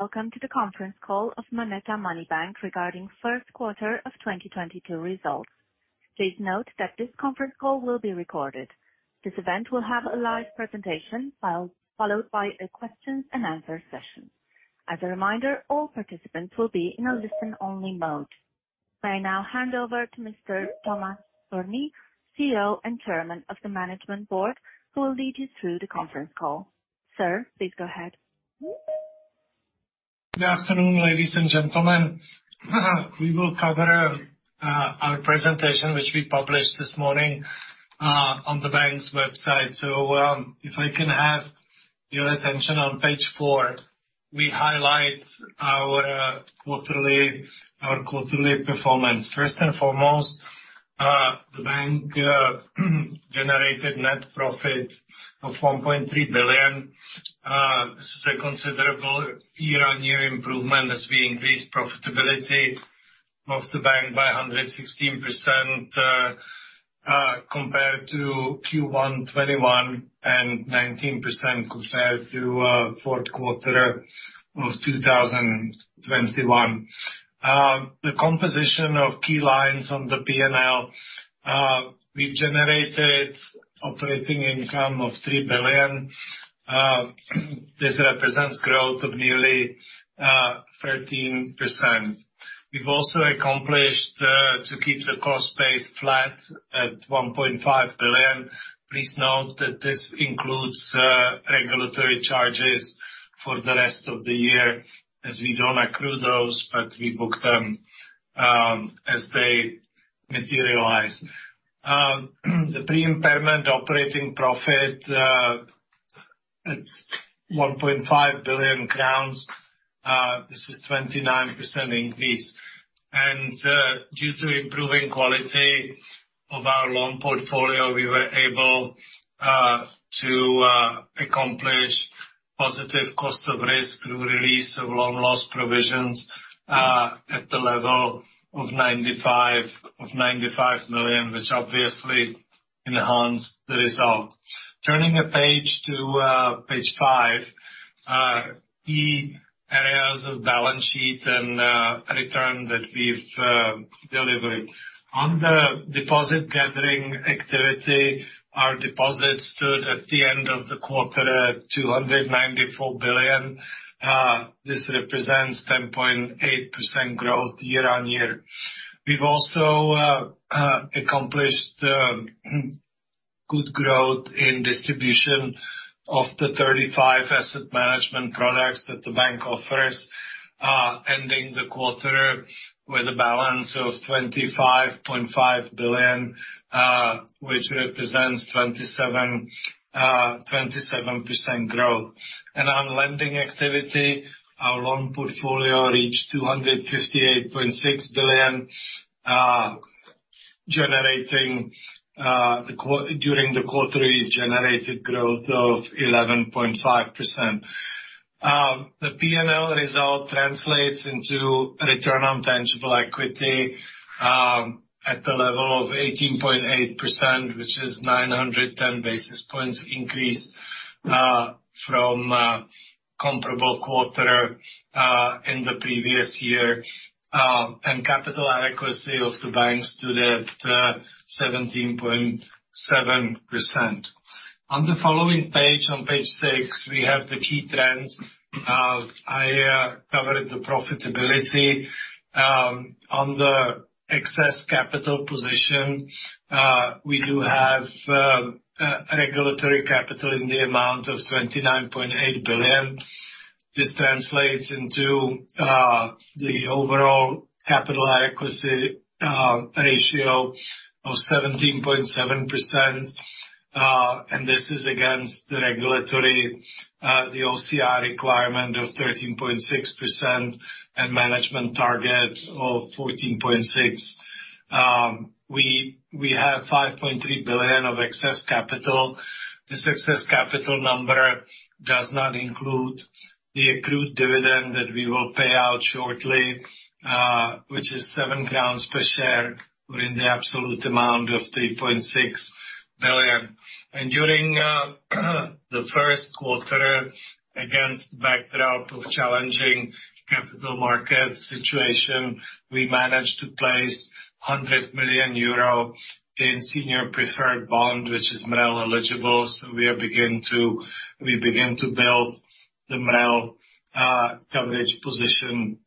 Welcome to the conference call of MONETA Money Bank regarding first quarter of 2022 results. Please note that this conference call will be recorded. This event will have a live presentation file, followed by a question and answer session. As a reminder, all participants will be in a listen-only mode. I now hand over to Mr. Tomáš Spurný, CEO and Chairman of the Management Board, who will lead you through the conference call. Sir, please go ahead. Good afternoon, ladies and gentlemen. We will cover our presentation, which we published this morning, on the bank's website. If I can have your attention on page four, we highlight our quarterly performance. First and foremost, the bank generated net profit of 1.3 billion. This is a considerable year-on-year improvement as we increase profitability of the bank by 116%, compared to Q1 2021, and 19% compared to fourth quarter of 2021. The composition of key lines on the P&L, we've generated operating income of 3 billion. This represents growth of nearly 13%. We've also accomplished to keep the cost base flat at 1.5 billion. Please note that this includes, regulatory charges for the rest of the year, as we don't accrue those, but we book them, as they materialize. The pre-impairment operating profit at 1.5 billion crowns, this is 29% increase. Due to improving quality of our loan portfolio, we were able to accomplish positive cost of risk through release of loan loss provisions at the level of 95 million, which obviously enhanced the result. Turning a page to page five, key areas of balance sheet and return that we've delivered. On the deposit gathering activity, our deposits stood at the end of the quarter at 294 billion. This represents 10.8% growth year-over-year. We've also accomplished good growth in distribution of the 35 asset management products that the bank offers, ending the quarter with a balance of 25.5 billion, which represents 27% growth. On lending activity, our loan portfolio reached 258.6 billion. During the quarter, it generated growth of 11.5%. The P&L result translates into return on tangible equity at the level of 18.8%, which is 910 basis points increase from comparable quarter in the previous year. Capital adequacy of the bank stood at 17.7%. On the following page, on page 6, we have the key trends. I covered the profitability. On the excess capital position, we do have regulatory capital in the amount of 29.8 billion. This translates into the overall capital adequacy ratio of 17.7%. This is against the regulatory OCR requirement of 13.6% and management target of 14.6%. We have 5.3 billion of excess capital. This excess capital number does not include the accrued dividend that we will pay out shortly, which is CZK 7 per share or in the absolute amount of 3.6 billion. During the first quarter, against backdrop of challenging capital market situation, we managed to place 100 million euro in senior preferred bond, which is MREL-eligible, so we begin to build the MREL coverage position gradually.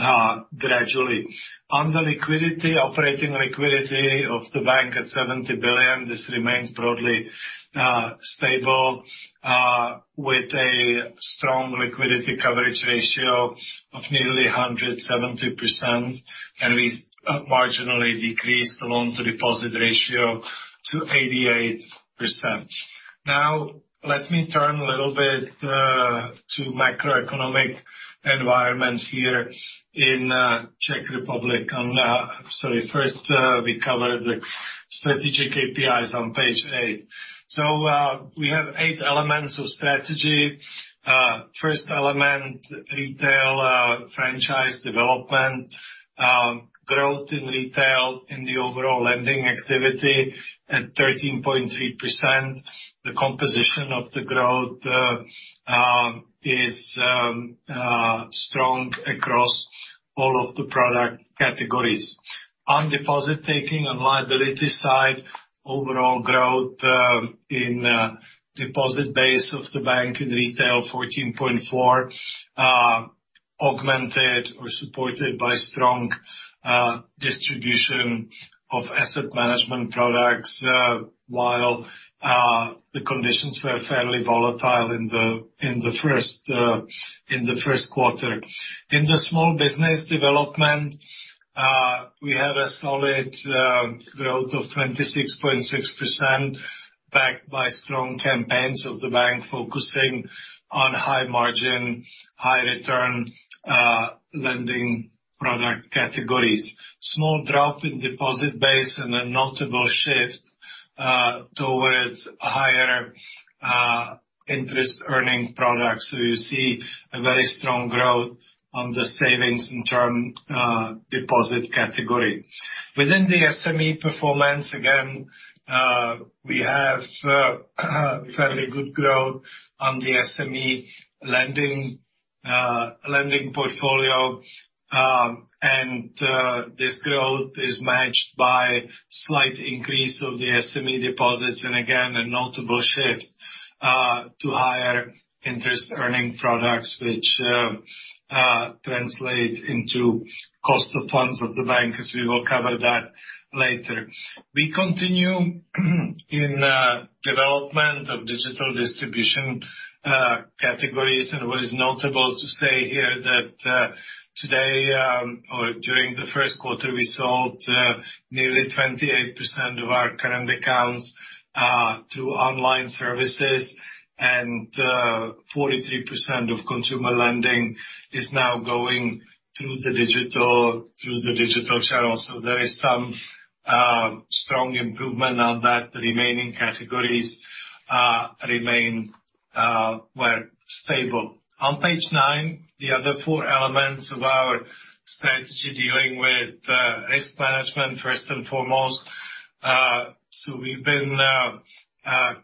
On the liquidity, operating liquidity of the bank at 70 billion, this remains broadly stable with a strong liquidity coverage ratio of nearly 170%, and we marginally decreased the loan-to-deposit ratio to 88%. Now let me turn a little bit to macroeconomic environment here in Czech Republic. Sorry, first, we covered the strategic KPIs on page 8. We have 8 elements of strategy. First element, retail franchise development, growth in retail in the overall lending activity at 13.3%. The composition of the growth is strong across all of the product categories. On deposit taking and liability side, overall growth in deposit base of the bank in retail 14.4%, augmented or supported by strong distribution of asset management products, while the conditions were fairly volatile in the first quarter. In the small business development, we have a solid growth of 26.6% backed by strong campaigns of the bank focusing on high margin, high return lending product categories. Small drop in deposit base and a notable shift towards higher interest earning products. You see a very strong growth on the savings and term deposit category. Within the SME performance, again, we have fairly good growth on the SME lending portfolio. This growth is matched by slight increase of the SME deposits and again, a notable shift to higher interest earning products, which translate into cost of funds of the bank, as we will cover that later. We continue in development of digital distribution categories. What is notable to say here that today, or during the first quarter, we sold nearly 28% of our current accounts to online services, and 43% of consumer lending is now going through the digital channels. There is some strong improvement on that. The remaining categories remain well stable. On page nine, the other four elements of our strategy dealing with risk management first and foremost. We've been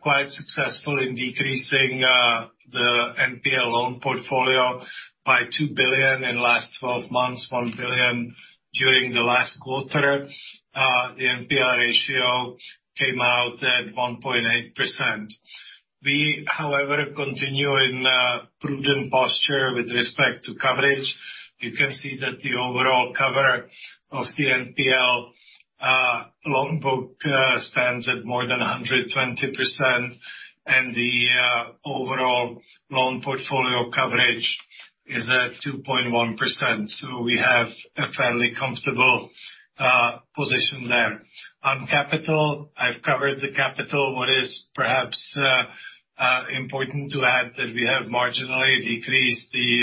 quite successful in decreasing the NPL loan portfolio by 2 billion in last 12 months, 1 billion during the last quarter. The NPL ratio came out at 1.8%. We, however, continue in a prudent posture with respect to coverage. You can see that the overall cover of the NPL loan book stands at more than 120%, and the overall loan portfolio coverage is at 2.1%. We have a fairly comfortable position there. On capital, I've covered the capital. What is perhaps important to add that we have marginally decreased the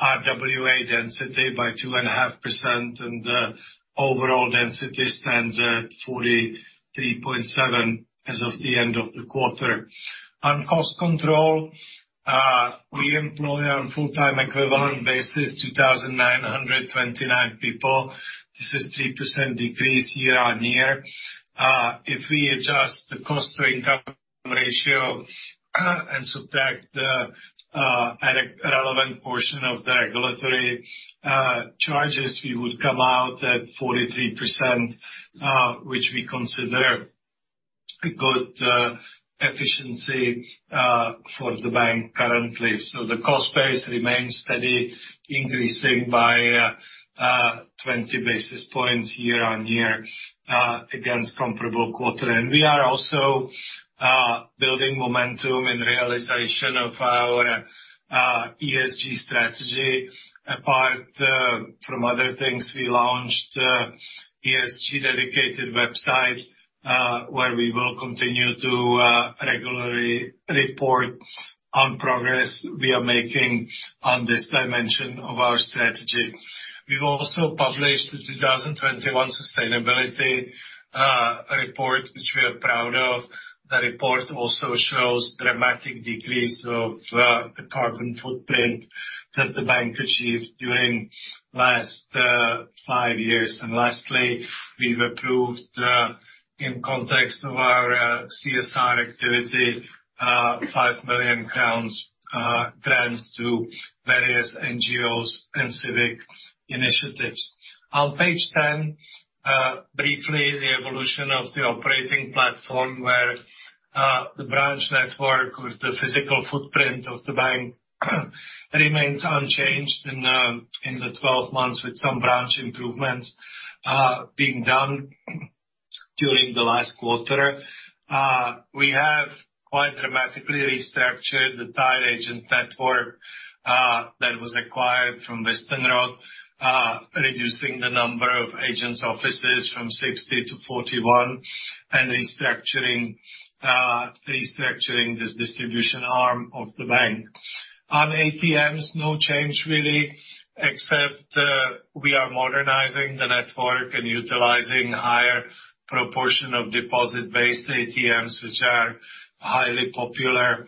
RWA density by 2.5%, and the overall density stands at 43.7 as of the end of the quarter. On cost control, we employ on full-time equivalent basis 2,929 people. This is 3% decrease year-on-year. If we adjust the cost to income ratio and subtract a relevant portion of the regulatory charges, we would come out at 43%, which we consider good efficiency for the bank currently. The cost base remains steady, increasing by 20 basis points year-on-year against comparable quarter. We are also building momentum and realization of our ESG strategy. Apart from other things, we launched ESG dedicated website, where we will continue to regularly report on progress we are making on this dimension of our strategy. We've also published the 2021 sustainability report, which we are proud of. The report also shows dramatic decrease of the carbon footprint that the bank achieved during last five years. Lastly, we've approved in context of our CSR activity 5 million crowns grants to various NGOs and civic initiatives. On page 10, briefly, the evolution of the operating platform where the branch network or the physical footprint of the bank remains unchanged in the 12 months with some branch improvements being done during the last quarter. We have quite dramatically restructured the tied agent network that was acquired from Wüstenrot, reducing the number of agent offices from 60 to 41 and restructuring this distribution arm of the bank. On ATMs, no change really, except we are modernizing the network and utilizing higher proportion of deposit-based ATMs, which are highly popular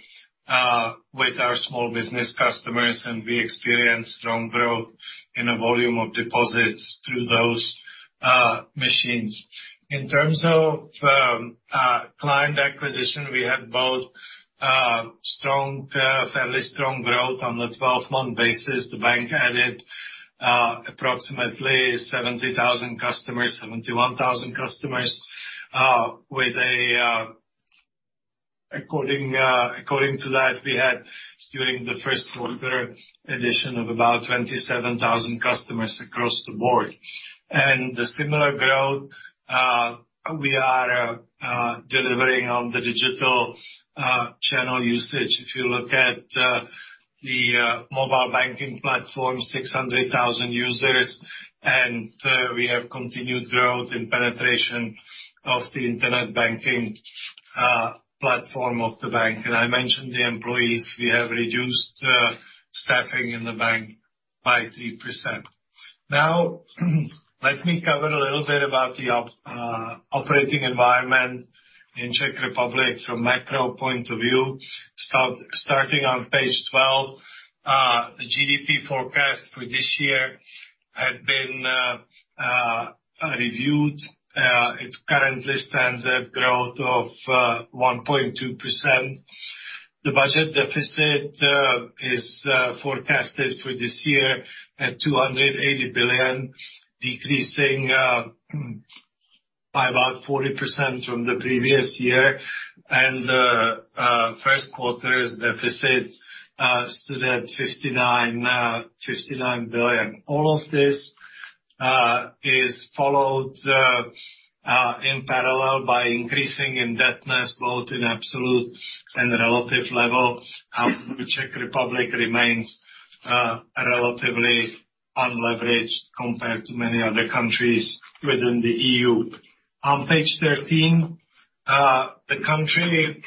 with our small business customers, and we experience strong growth in the volume of deposits through those machines. In terms of client acquisition, we had fairly strong growth on the 12-month basis. The bank added approximately 70,000 customers, 71,000 customers, according to that, we had during the first quarter addition of about 27,000 customers across the board. The similar growth we are delivering on the digital channel usage. If you look at the mobile banking platform, 600,000 users, and we have continued growth in penetration of the internet banking platform of the bank. I mentioned the employees. We have reduced staffing in the bank by 3%. Now, let me cover a little bit about the operating environment in Czech Republic from macro point of view. Starting on page 12, the GDP forecast for this year had been reviewed. It currently stands at growth of 1.2%. The budget deficit is forecasted for this year at 280 billion, decreasing by about 40% from the previous year. First quarter's deficit stood at 59 billion. All of this is followed in parallel by increasing in debt net growth in absolute and relative level. The Czech Republic remains relatively unleveraged compared to many other countries within the EU. On page 13, the country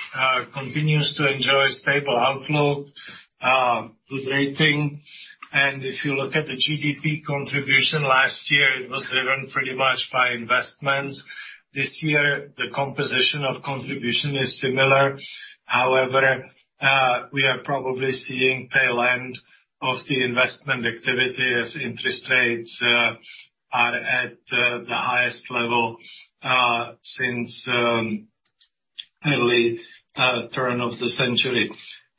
continues to enjoy stable outlook, good rating. If you look at the GDP contribution last year, it was driven pretty much by investments. This year, the composition of contribution is similar. However, we are probably seeing tail end of the investment activity as interest rates are at the highest level since early turn of the century.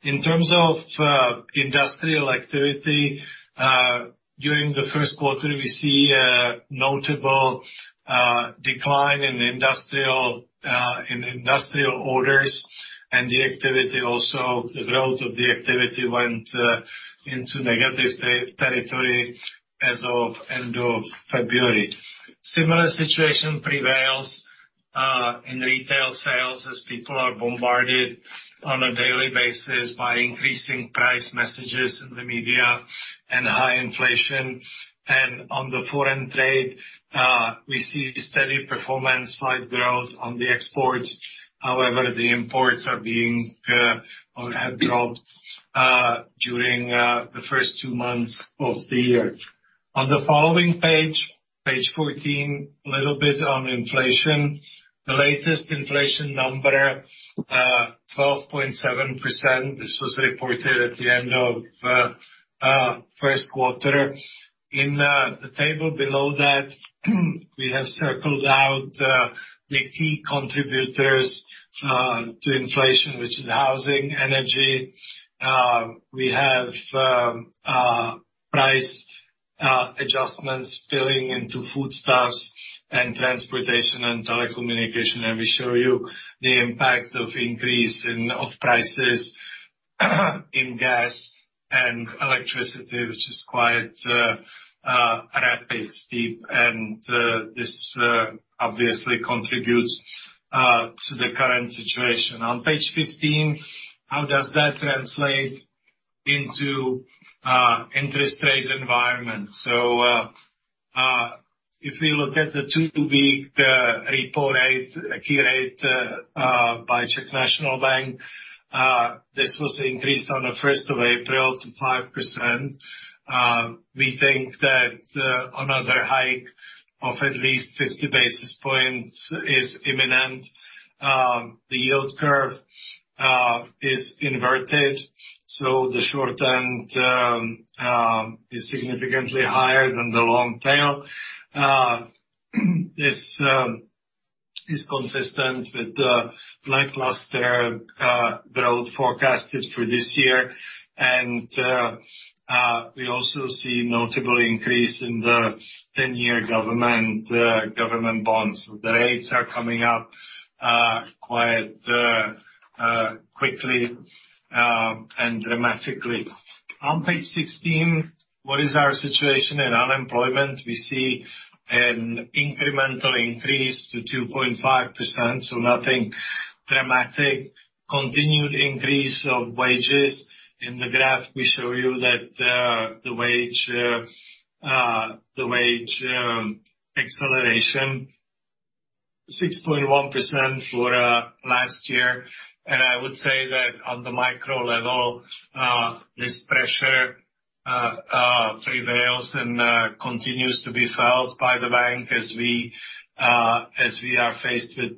In terms of industrial activity, during the first quarter, we see a notable decline in industrial orders. The activity also, the growth of the activity went into negative territory as of end of February. Similar situation prevails in retail sales as people are bombarded on a daily basis by increasing price messages in the media and high inflation. On the foreign trade, we see steady performance, slight growth on the exports. However, the imports have dropped during the first two months of the year. On the following page 14, a little bit on inflation. The latest inflation number 12.7%. This was reported at the end of first quarter. In the table below that, we have circled out the key contributors to inflation, which is housing, energy. We have price adjustments spilling into foodstuffs and transportation and telecommunication, and we show you the impact of increase in prices in gas and electricity, which is quite rapid, steep. This obviously contributes to the current situation. On page 15, how does that translate into interest rate environment? If we look at the two-week repo rate, key rate by Czech National Bank, this was increased on the first of April to 5%. We think that another hike of at least 50 basis points is imminent. The yield curve is inverted, so the short term is significantly higher than the long tail. This is consistent with the lackluster growth forecasted for this year. We also see notable increase in the 10-year government bonds. The rates are coming up quite quickly and dramatically. On page 16, what is our situation in unemployment? We see an incremental increase to 2.5%, so nothing dramatic. Continued increase of wages. In the graph, we show you that the wage acceleration 6.1% for last year. I would say that on the micro level this pressure prevails and continues to be felt by the bank as we are faced with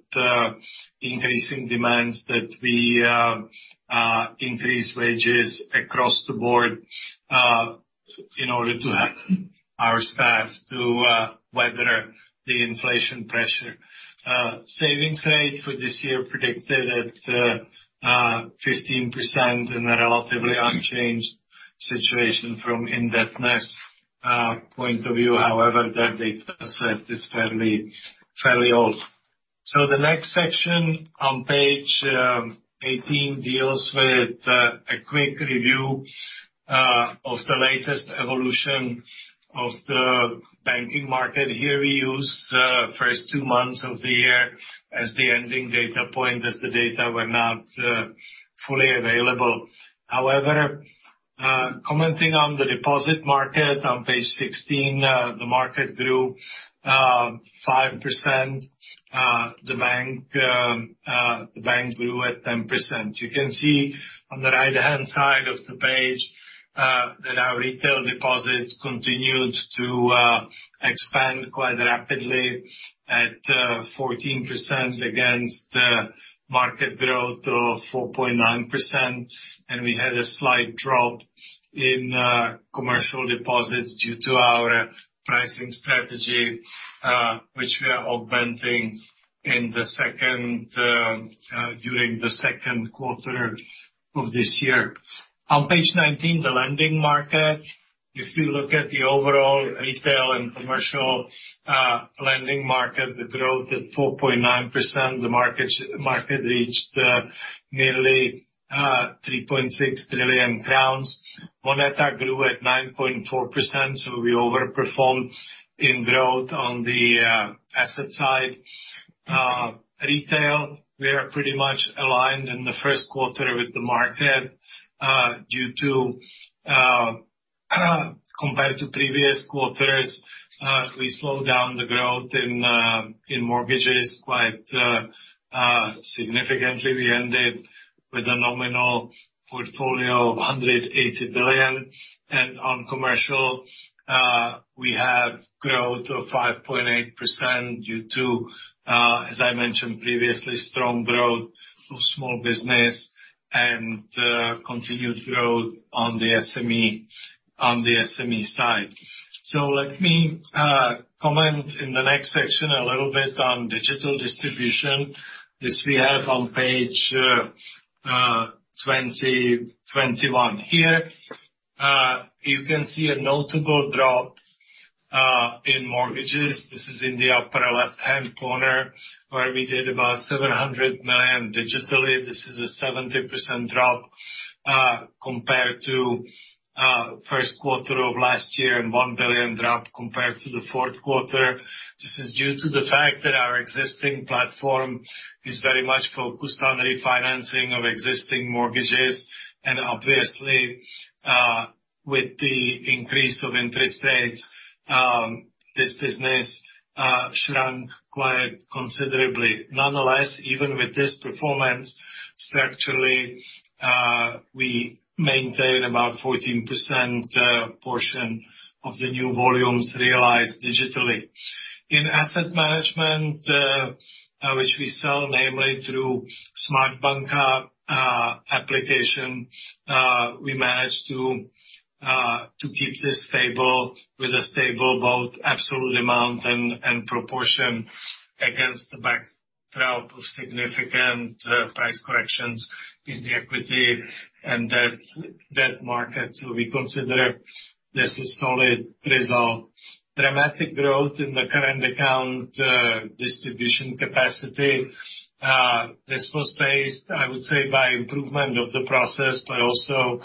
increasing demands that we increase wages across the board in order to help our staff to weather the inflation pressure. Savings rate for this year predicted at 15% and a relatively unchanged situation from indebtedness point of view. However, that data set is fairly old. The next section on page 18 deals with a quick review of the latest evolution of the banking market. We use first two months of the year as the ending data point as the data were not fully available. However, commenting on the deposit market, on page 16, the market grew 5%. The bank grew at 10%. You can see on the right-hand side of the page, that our retail deposits continued to expand quite rapidly at 14% against the market growth of 4.9%. We had a slight drop in commercial deposits due to our pricing strategy, which we are augmenting during the second quarter of this year. On page 19, the lending market. If you look at the overall retail and commercial lending market, it grew at 4.9%. The market reached nearly 3.6 trillion crowns. MONETA grew at 9.4%, so we overperformed in growth on the asset side. In retail, we are pretty much aligned in the first quarter with the market, due to compared to previous quarters, we slowed down the growth in mortgages quite significantly. We ended with a nominal portfolio of 180 billion. On commercial, we have growth of 5.8% due to, as I mentioned previously, strong growth of small business and continued growth on the SME side. Let me comment in the next section a little bit on digital distribution, which we have on page 21. Here, you can see a notable drop in mortgages. This is in the upper left-hand corner, where we did about 700 million digitally. This is a 70% drop compared to first quarter of last year, and 1 billion drop compared to the fourth quarter. This is due to the fact that our existing platform is very much focused on refinancing of existing mortgages. Obviously, with the increase of interest rates, this business shrunk quite considerably. Nonetheless, even with this performance, structurally, we maintain about 14% portion of the new volumes realized digitally. In asset management, which we sell namely through Smart Banka application, we managed to keep this stable with a stable both absolute amount and proportion against the backdrop of significant price corrections in the equity and debt market. We consider this a solid result. Dramatic growth in the current account distribution capacity. This was based, I would say, by improvement of the process, but also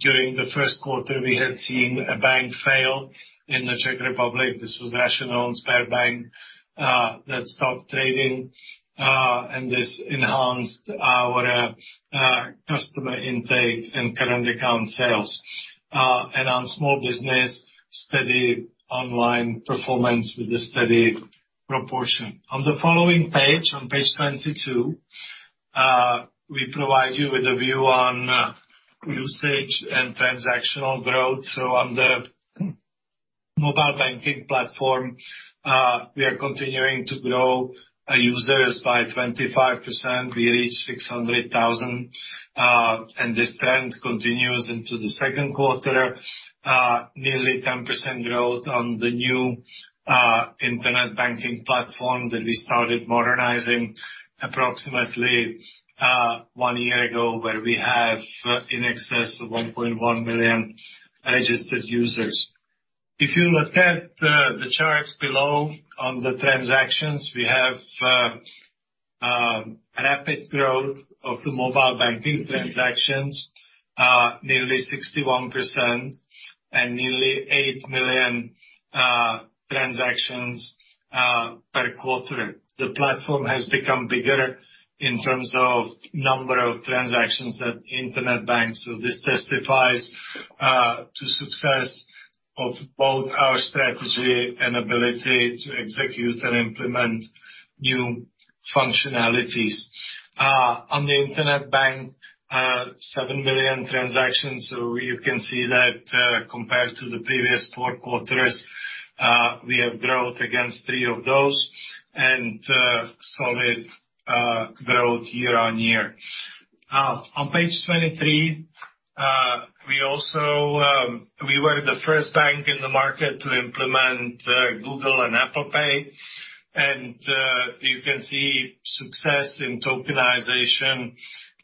during the first quarter, we had seen a bank fail in the Czech Republic. This was Sberbank CZ that stopped trading, and this enhanced our customer intake and current account sales. On small business, steady online performance with a steady proportion. On the following page, on page 22, we provide you with a view on usage and transactional growth. On the mobile banking platform, we are continuing to grow our users by 25%. We reached 600,000, and this trend continues into the second quarter. Nearly 10% growth on the new internet banking platform that we started modernizing approximately one year ago, where we have in excess of 1.1 million registered users. If you look at the charts below on the transactions, we have rapid growth of the mobile banking transactions, nearly 61% and nearly 8 million transactions per quarter. The platform has become bigger in terms of number of transactions at internet banks. This testifies to success of both our strategy and ability to execute and implement new functionalities. On the internet bank, 7 million transactions. You can see that, compared to the previous four quarters, we have growth against three of those, and solid growth year-on-year. On page 23, we were the first bank in the market to implement Google Pay and Apple Pay. You can see success in tokenization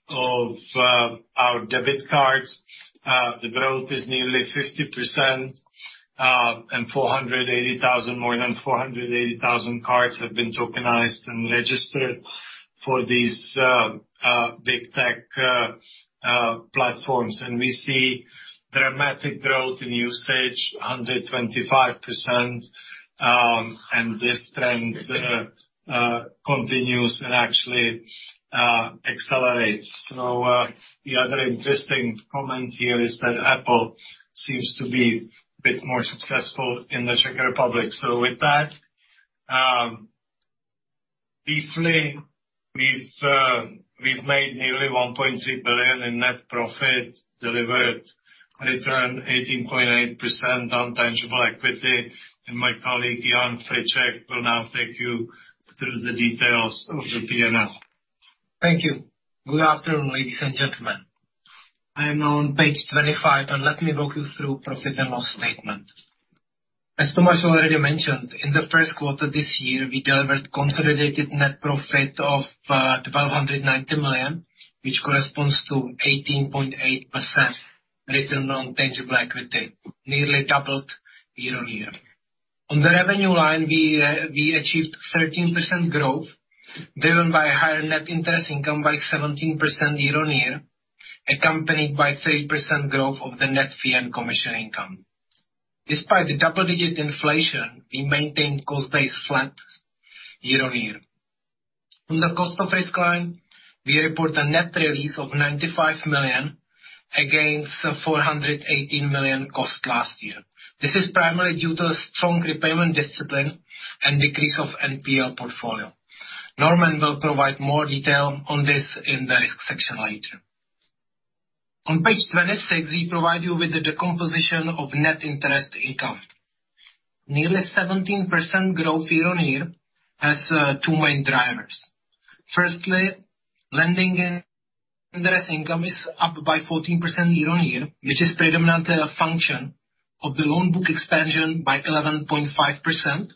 of our debit cards. The growth is nearly 50%, and more than 480,000 cards have been tokenized and registered for these big tech platforms. We see dramatic growth in usage, 125%, and this trend continues and actually accelerates. The other interesting comment here is that Apple seems to be a bit more successful in the Czech Republic. With that, briefly, we've made nearly 1.3 billion in net profit, delivered return 18.8% on tangible equity. My colleague, Jan Friček, will now take you through the details of the P&L. Thank you. Good afternoon, ladies and gentlemen. I am now on page 25, and let me walk you through profit and loss statement. As Thomas already mentioned, in the first quarter this year, we delivered consolidated net profit of 1,290 million, which corresponds to 18.8% return on tangible equity, nearly doubled year-over-year. On the revenue line, we achieved 13% growth, driven by higher net interest income by 17% year-over-year, accompanied by 3% growth of the net fee and commission income. Despite the double-digit inflation, we maintained cost base flat year-over-year. On the cost of risk line, we report a net release of 95 million against 418 million cost last year. This is primarily due to the strong repayment discipline and decrease of NPL portfolio. Norman will provide more detail on this in the risk section later. On page 26, we provide you with the decomposition of net interest income. Nearly 17% growth year-on-year has two main drivers. Firstly, lending and interest income is up by 14% year-on-year, which is predominantly a function of the loan book expansion by 11.5%.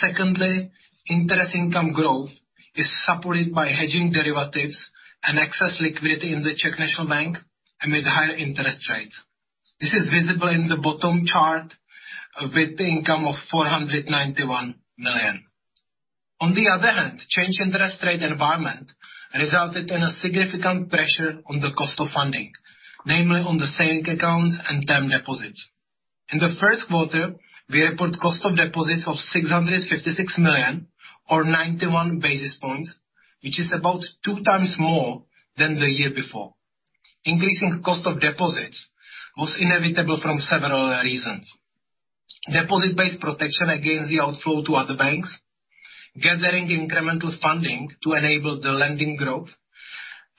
Secondly, interest income growth is supported by hedging derivatives and excess liquidity in the Czech National Bank amid higher interest rates. This is visible in the bottom chart with income of 491 million. On the other hand, changing interest rate environment resulted in a significant pressure on the cost of funding, namely on the savings accounts and term deposits. In the first quarter, we report cost of deposits of 656 million or 91 basis points, which is about two times more than the year before. Increasing cost of deposits was inevitable from several reasons. Deposit-based protection against the outflow to other banks, gathering incremental funding to enable the lending growth,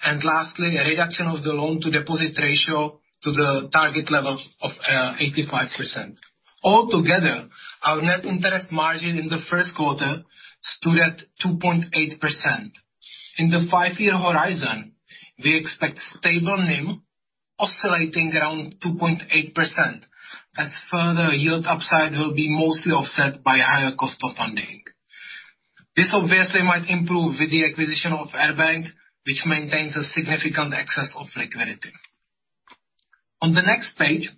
and lastly, a reduction of the loan-to-deposit ratio to the target level of 85%. All together, our net interest margin in the first quarter stood at 2.8%. In the five-year horizon, we expect stable NIM oscillating around 2.8%, as further yield upside will be mostly offset by higher cost of funding. This obviously might improve with the acquisition of Air Bank, which maintains a significant excess of liquidity. On the next page,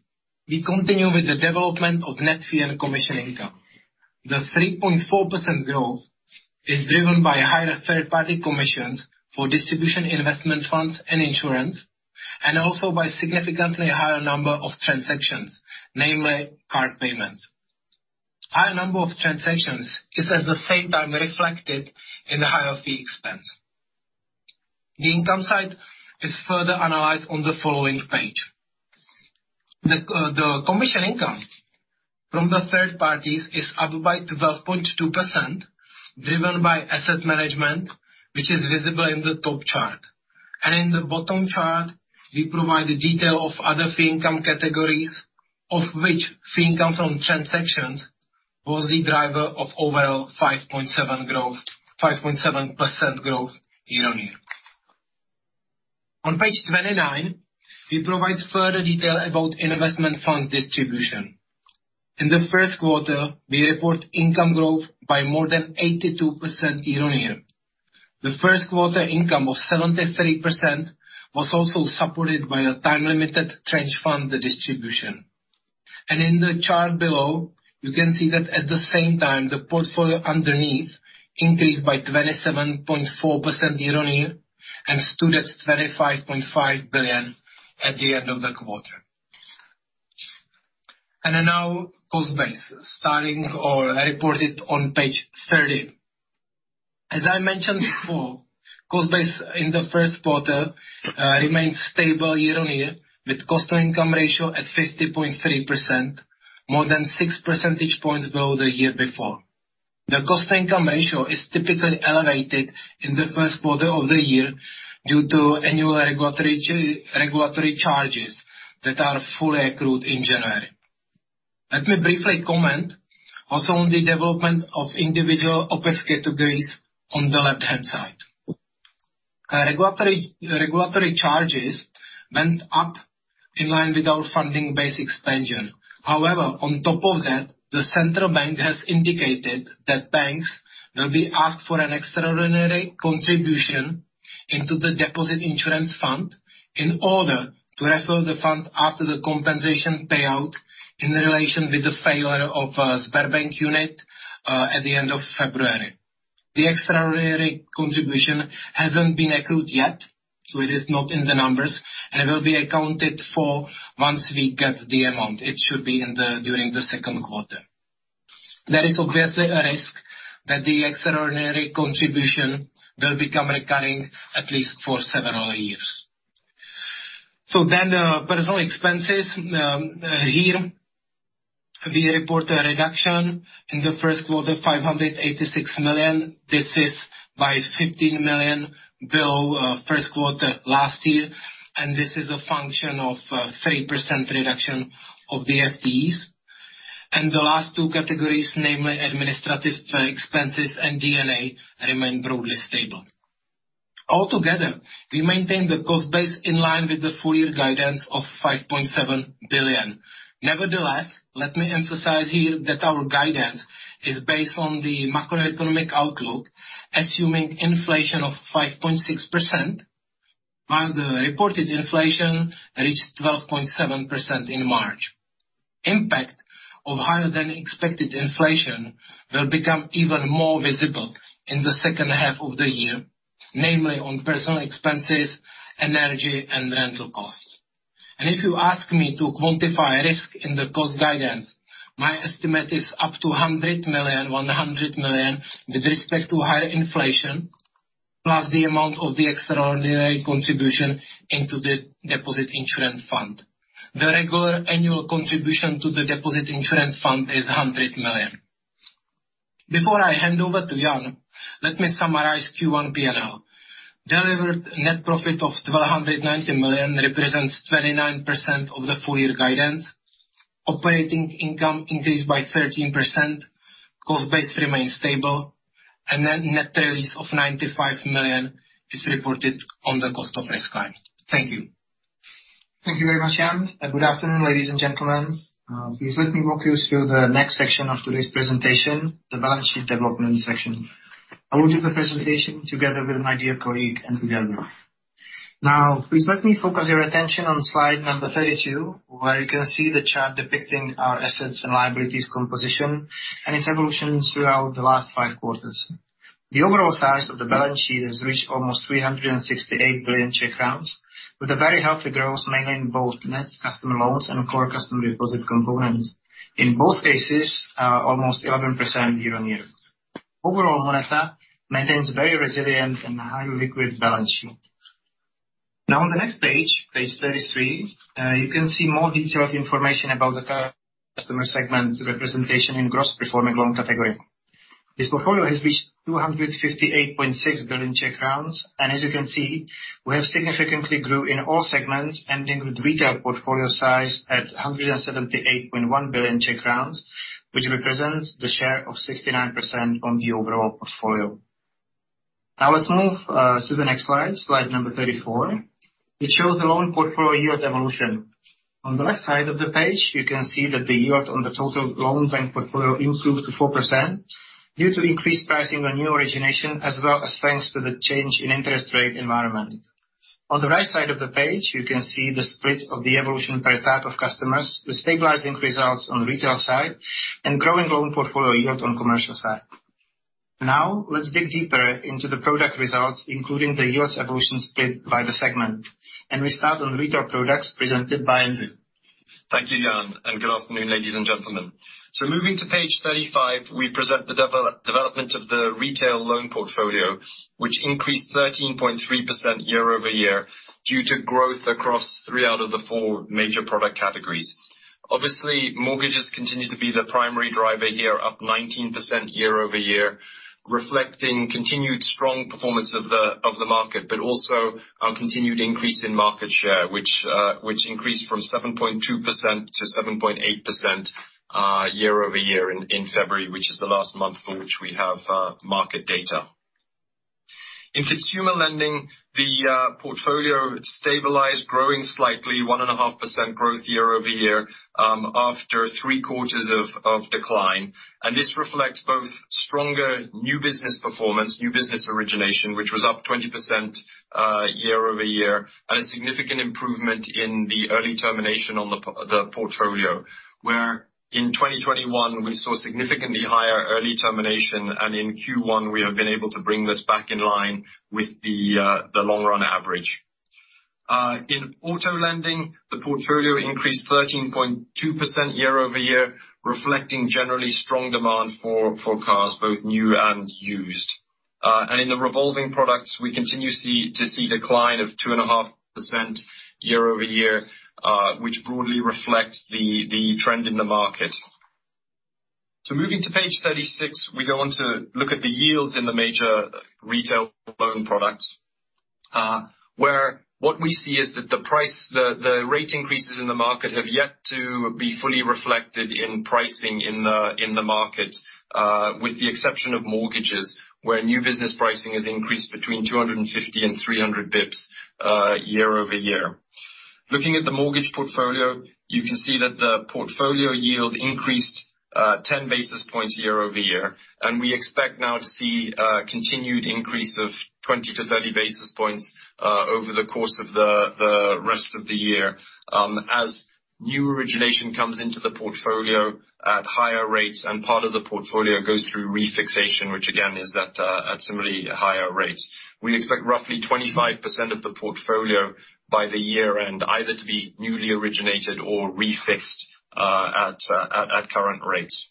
we continue with the development of net fee and commission income. The 3.4% growth is driven by higher third-party commissions for distribution investment funds and insurance, and also by significantly higher number of transactions, namely card payments. Higher number of transactions is at the same time reflected in the higher fee expense. The income side is further analyzed on the following page. The commission income from the third parties is up by 12.2%, driven by asset management, which is visible in the top chart. In the bottom chart, we provide the detail of other fee income categories, of which fee income from transactions was the driver of overall 5.7% growth, 5.7% growth year-on-year. On page 29, we provide further detail about investment fund distribution. In the first quarter, we report income growth by more than 82% year-on-year. The first quarter income of 73% was also supported by a time-limited tranche fund distribution. In the chart below, you can see that at the same time, the portfolio underneath increased by 27.4% year-on-year and stood at 25.5 billion at the end of the quarter. Now cost base, as reported on page 30. As I mentioned before, cost base in the first quarter remained stable year-on-year, with cost-to-income ratio at 50.3%, more than 6 percentage points below the year before. The cost-income ratio is typically elevated in the first quarter of the year due to annual regulatory charges that are fully accrued in January. Let me briefly comment also on the development of individual OPEX categories on the left-hand side. Regulatory charges went up in line with our funding base expansion. However, on top of that, the central bank has indicated that banks will be asked for an extraordinary contribution into the deposit insurance fund in order to refill the fund after the compensation payout in relation with the failure of Sberbank unit at the end of February. The extraordinary contribution hasn't been accrued yet, so it is not in the numbers, and it will be accounted for once we get the amount. It should be during the second quarter. There is obviously a risk that the extraordinary contribution will become recurring at least for several years. Personal expenses, here we report a reduction in the first quarter, 586 million. This is by 15 million below first quarter last year, and this is a function of 3% reduction of the FTEs. The last two categories, namely administrative expenses and D&A, remain broadly stable. Altogether, we maintain the cost base in line with the full-year guidance of 5.7 billion. Nevertheless, let me emphasize here that our guidance is based on the macroeconomic outlook, assuming inflation of 5.6%, while the reported inflation reached 12.7% in March. Impact of higher than expected inflation will become even more visible in the second half of the year, namely on personal expenses, energy, and rental costs. If you ask me to quantify risk in the cost guidance, my estimate is up to 100 million, 100 million with respect to higher inflation, plus the amount of the extraordinary contribution into the deposit insurance fund. The regular annual contribution to the deposit insurance fund is 100 million. Before I hand over to Jan, let me summarize Q1 P&L. Delivered net profit of 290 million represents 29% of the full-year guidance. Operating income increased by 13%. Cost base remains stable. Net release of 95 million is reported on the cost of risk line. Thank you. Thank you very much, Jan. Good afternoon, ladies and gentlemen. Please let me walk you through the next section of today's presentation, the balance sheet development section. I will do the presentation together with my dear colleague, Andrew Gerber. Now, please let me focus your attention on slide number 32, where you can see the chart depicting our assets and liabilities composition and its evolution throughout the last five quarters. The overall size of the balance sheet has reached almost 368 billion Czech crowns, with a very healthy growth, mainly in both net customer loans and core customer deposit components. In both cases, almost 11% year-on-year. Overall, MONETA maintains very resilient and high liquid balance sheet. Now, on the next page 33, you can see more detailed information about the customer segment representation in gross performing loan category. This portfolio has reached 258.6 billion Czech crowns, and as you can see, we have significantly grew in all segments, ending with retail portfolio size at 178.1 billion Czech crowns, which represents the share of 69% on the overall portfolio. Now let's move to the next slide number 34. It shows the loan portfolio yield evolution. On the left side of the page, you can see that the yield on the total loans bank portfolio improved to 4% due to increased pricing on new origination, as well as thanks to the change in interest rate environment. On the right side of the page, you can see the split of the evolution per type of customers, the stabilizing results on retail side and growing loan portfolio yield on commercial side. Now let's dig deeper into the product results, including the yields evolution split by the segment. We start on retail products presented by Andrew. Thank you, Jan, and good afternoon, ladies and gentlemen. Moving to page 35, we present the development of the retail loan portfolio, which increased 13.3% year-over-year due to growth across three out of the four major product categories. Obviously, mortgages continue to be the primary driver here, up 19% year-over-year, reflecting continued strong performance of the market, but also continued increase in market share, which increased from 7.2% to 7.8% year-over-year in February, which is the last month for which we have market data. In consumer lending, the portfolio stabilized, growing slightly 1.5% growth year-over-year, after three quarters of decline. This reflects both stronger new business performance, new business origination, which was up 20% year-over-year, and a significant improvement in the early termination on the portfolio, where in 2021, we saw significantly higher early termination, and in Q1, we have been able to bring this back in line with the long run average. In auto lending, the portfolio increased 13.2% year-over-year, reflecting generally strong demand for cars, both new and used. In the revolving products, we continue to see decline of 2.5% year-over-year, which broadly reflects the trend in the market. Moving to page 36, we go on to look at the yields in the major retail loan products, where what we see is that the price, the rate increases in the market have yet to be fully reflected in pricing in the market, with the exception of mortgages, where new business pricing has increased between 250 basis points and 300 basis points year-over-year. Looking at the mortgage portfolio, you can see that the portfolio yield increased 10 basis points year-over-year, and we expect now to see continued increase of 20 basis points to 30 basis points over the course of the rest of the year, as new origination comes into the portfolio at higher rates, and part of the portfolio goes through refixation, which again is at similarly higher rates. We expect roughly 25% of the portfolio by year-end either to be newly originated or refixed at current rates.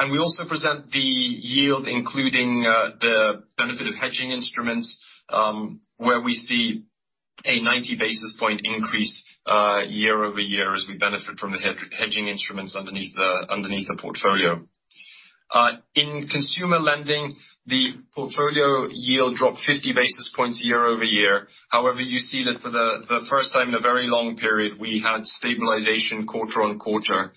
We also present the yield, including the benefit of hedging instruments, where we see a 90 basis point increase year-over-year as we benefit from the hedging instruments underneath the portfolio. In consumer lending, the portfolio yield dropped 50 basis points year-over-year. However, you see that for the first time in a very long period, we had stabilization quarter-on-quarter,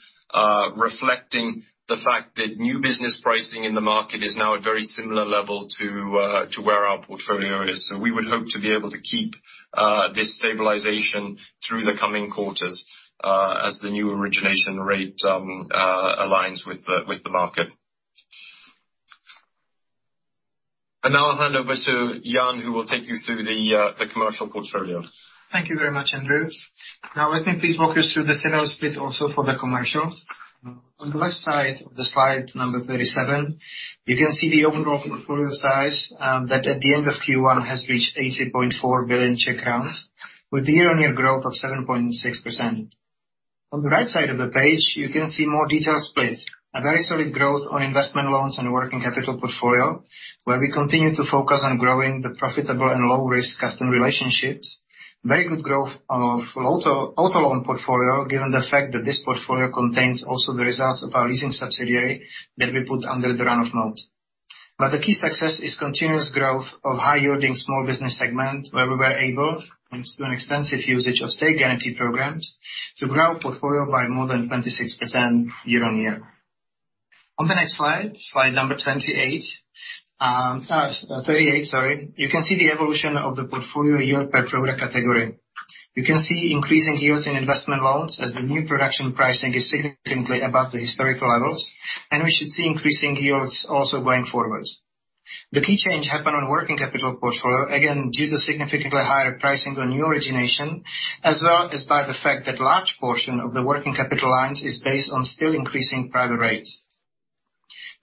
reflecting the fact that new business pricing in the market is now at very similar level to where our portfolio is. We would hope to be able to keep this stabilization through the coming quarters as the new origination rate aligns with the market. Now I'll hand over to Jan, who will take you through the commercial portfolio. Thank you very much, Andrew. Now let me please walk you through the sales split also for the commercials. On the left side of the slide number 37, you can see the overall portfolio size that at the end of Q1 has reached 80.4 billion Czech crowns with year-on-year growth of 7.6%. On the right side of the page, you can see more detailed split. Very solid growth on investment loans and working capital portfolio, where we continue to focus on growing the profitable and low-risk customer relationships. Very good growth of auto loan portfolio, given the fact that this portfolio contains also the results of our leasing subsidiary that we put under the run-off mode. The key success is continuous growth of high-yielding small business segment, where we were able, thanks to an extensive usage of state guarantee programs, to grow portfolio by more than 26% year-on-year. On the next slide number 38, sorry, you can see the evolution of the portfolio yield per product category. You can see increasing yields in investment loans as the new production pricing is significantly above the historical levels, and we should see increasing yields also going forward. The key change happened on working capital portfolio, again, due to significantly higher pricing on new origination, as well as by the fact that large portion of the working capital lines is based on still increasing private rates.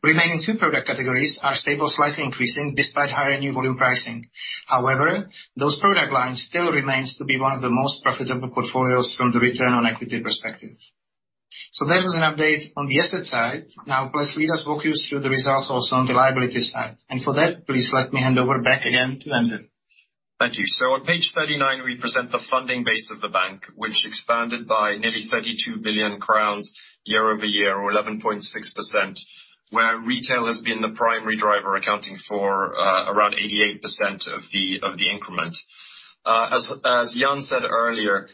Remaining two product categories are stable, slightly increasing despite higher new volume pricing. However, those product lines still remains to be one of the most profitable portfolios from the return on equity perspective. That was an update on the asset side. Now please let us walk you through the results also on the liability side. For that, please let me hand over back again to Andrew. Thank you. On page 39, we present the funding base of the bank, which expanded by nearly 32 billion crowns year-over-year or 11.6%, where retail has been the primary driver, accounting for around 88% of the increment. As Jan said earlier,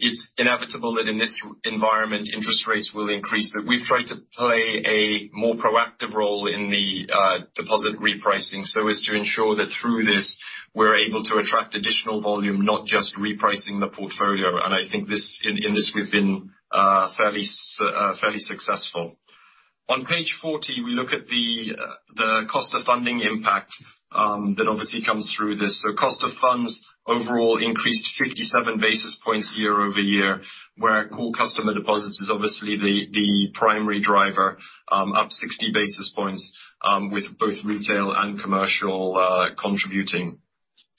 it's inevitable that in this environment, interest rates will increase, but we've tried to play a more proactive role in the deposit repricing so as to ensure that through this, we're able to attract additional volume, not just repricing the portfolio. I think in this we've been fairly successful. On page 40, we look at the cost of funding impact that obviously comes through this. Cost of funds overall increased 57 basis points year-over-year, where core customer deposits is obviously the primary driver, up 60 basis points, with both retail and commercial contributing.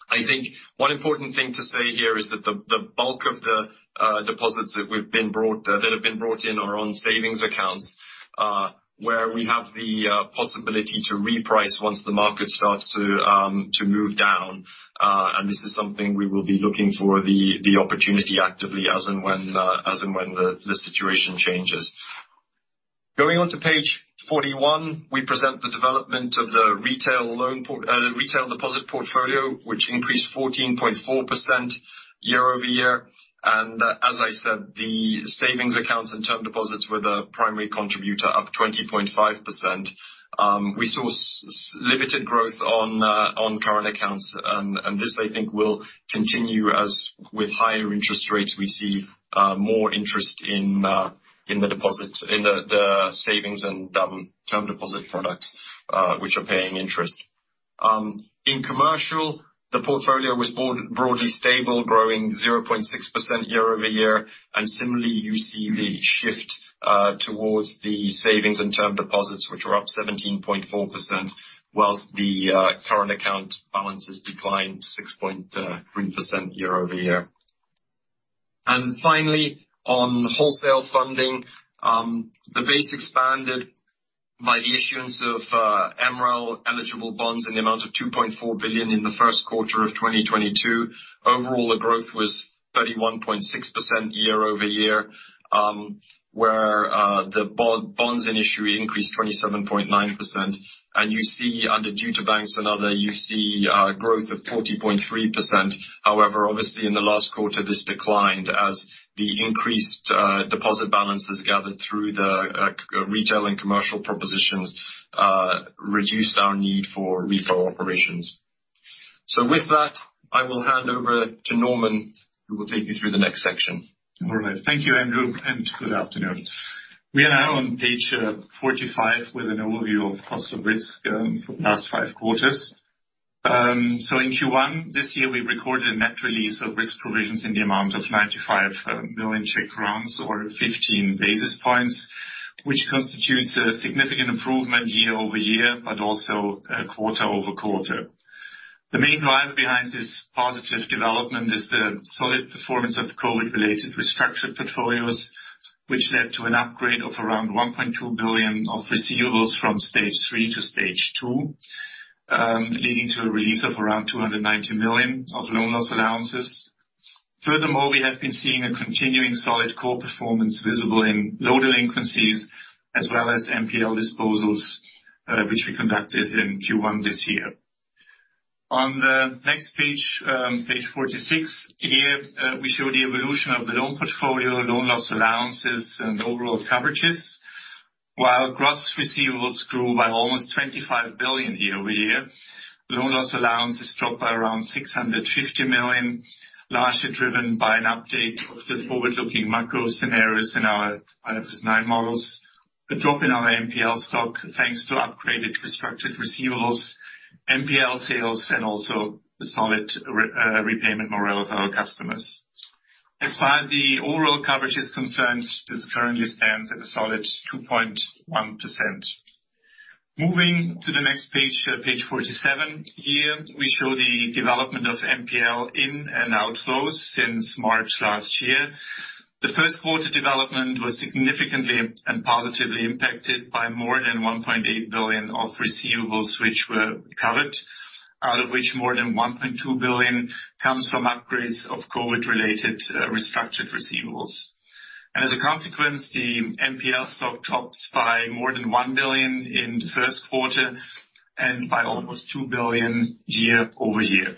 I think one important thing to say here is that the bulk of the deposits that have been brought in are on savings accounts, where we have the possibility to reprice once the market starts to move down. This is something we will be looking for the opportunity actively as and when the situation changes. Going on to page 41, we present the development of the retail deposit portfolio, which increased 14.4% year-over-year. As I said, the savings accounts and term deposits were the primary contributor, up 20.5%. We saw limited growth on current accounts. This, I think, will continue as with higher interest rates, we see more interest in the deposits, the savings and term deposit products, which are paying interest. In commercial, the portfolio was broadly stable, growing 0.6% year-over-year. Similarly, you see the shift towards the savings and term deposits, which were up 17.4%, while the current account balances declined 6.3% year-over-year. Finally, on wholesale funding, the base expanded by the issuance of MREL-eligible bonds in the amount of 2.4 billion in the first quarter of 2022. Overall, the growth was 31.6% year-over-year, where the bonds in issue increased 27.9%. You see under due to banks and other, you see, growth of 40.3%. However, obviously, in the last quarter, this declined as the increased deposit balances gathered through the retail and commercial propositions reduced our need for repo operations. With that, I will hand over to Norman, who will take you through the next section. All right. Thank you, Andrew, and good afternoon. We are now on page 45 with an overview of cost of risk for the last five quarters. In Q1 this year, we recorded a net release of risk provisions in the amount of 95 million Czech crowns, or 15 basis points, which constitutes a significant improvement year-over-year, but also quarter-over-quarter. The main driver behind this positive development is the solid performance of COVID-related restructured portfolios, which led to an upgrade of around 1.2 billion of receivables from stage three to stage two, leading to a release of around 290 million of loan loss allowances. Furthermore, we have been seeing a continuing solid core performance visible in low delinquencies as well as NPL disposals, which we conducted in Q1 this year. On the next page 46, here, we show the evolution of the loan portfolio, loan loss allowances, and overall coverages. While gross receivables grew by almost 25 billion year-over-year, loan loss allowances dropped by around 650 million, largely driven by an update of the forward-looking macro scenarios in our IFRS 9 models. A drop in our NPL stock, thanks to upgraded restructured receivables, NPL sales, and also the solid repayment morale of our customers. As far as the overall coverage is concerned, this currently stands at a solid 2.1%. Moving to the next page 47, here we show the development of NPL inflows and outflows since March last year. The first quarter development was significantly and positively impacted by more than 1.8 billion of receivables which were covered, out of which more than 1.2 billion comes from upgrades of COVID-related restructured receivables. As a consequence, the NPL stock dropped by more than 1 billion in the first quarter and by almost 2 billion year-over-year.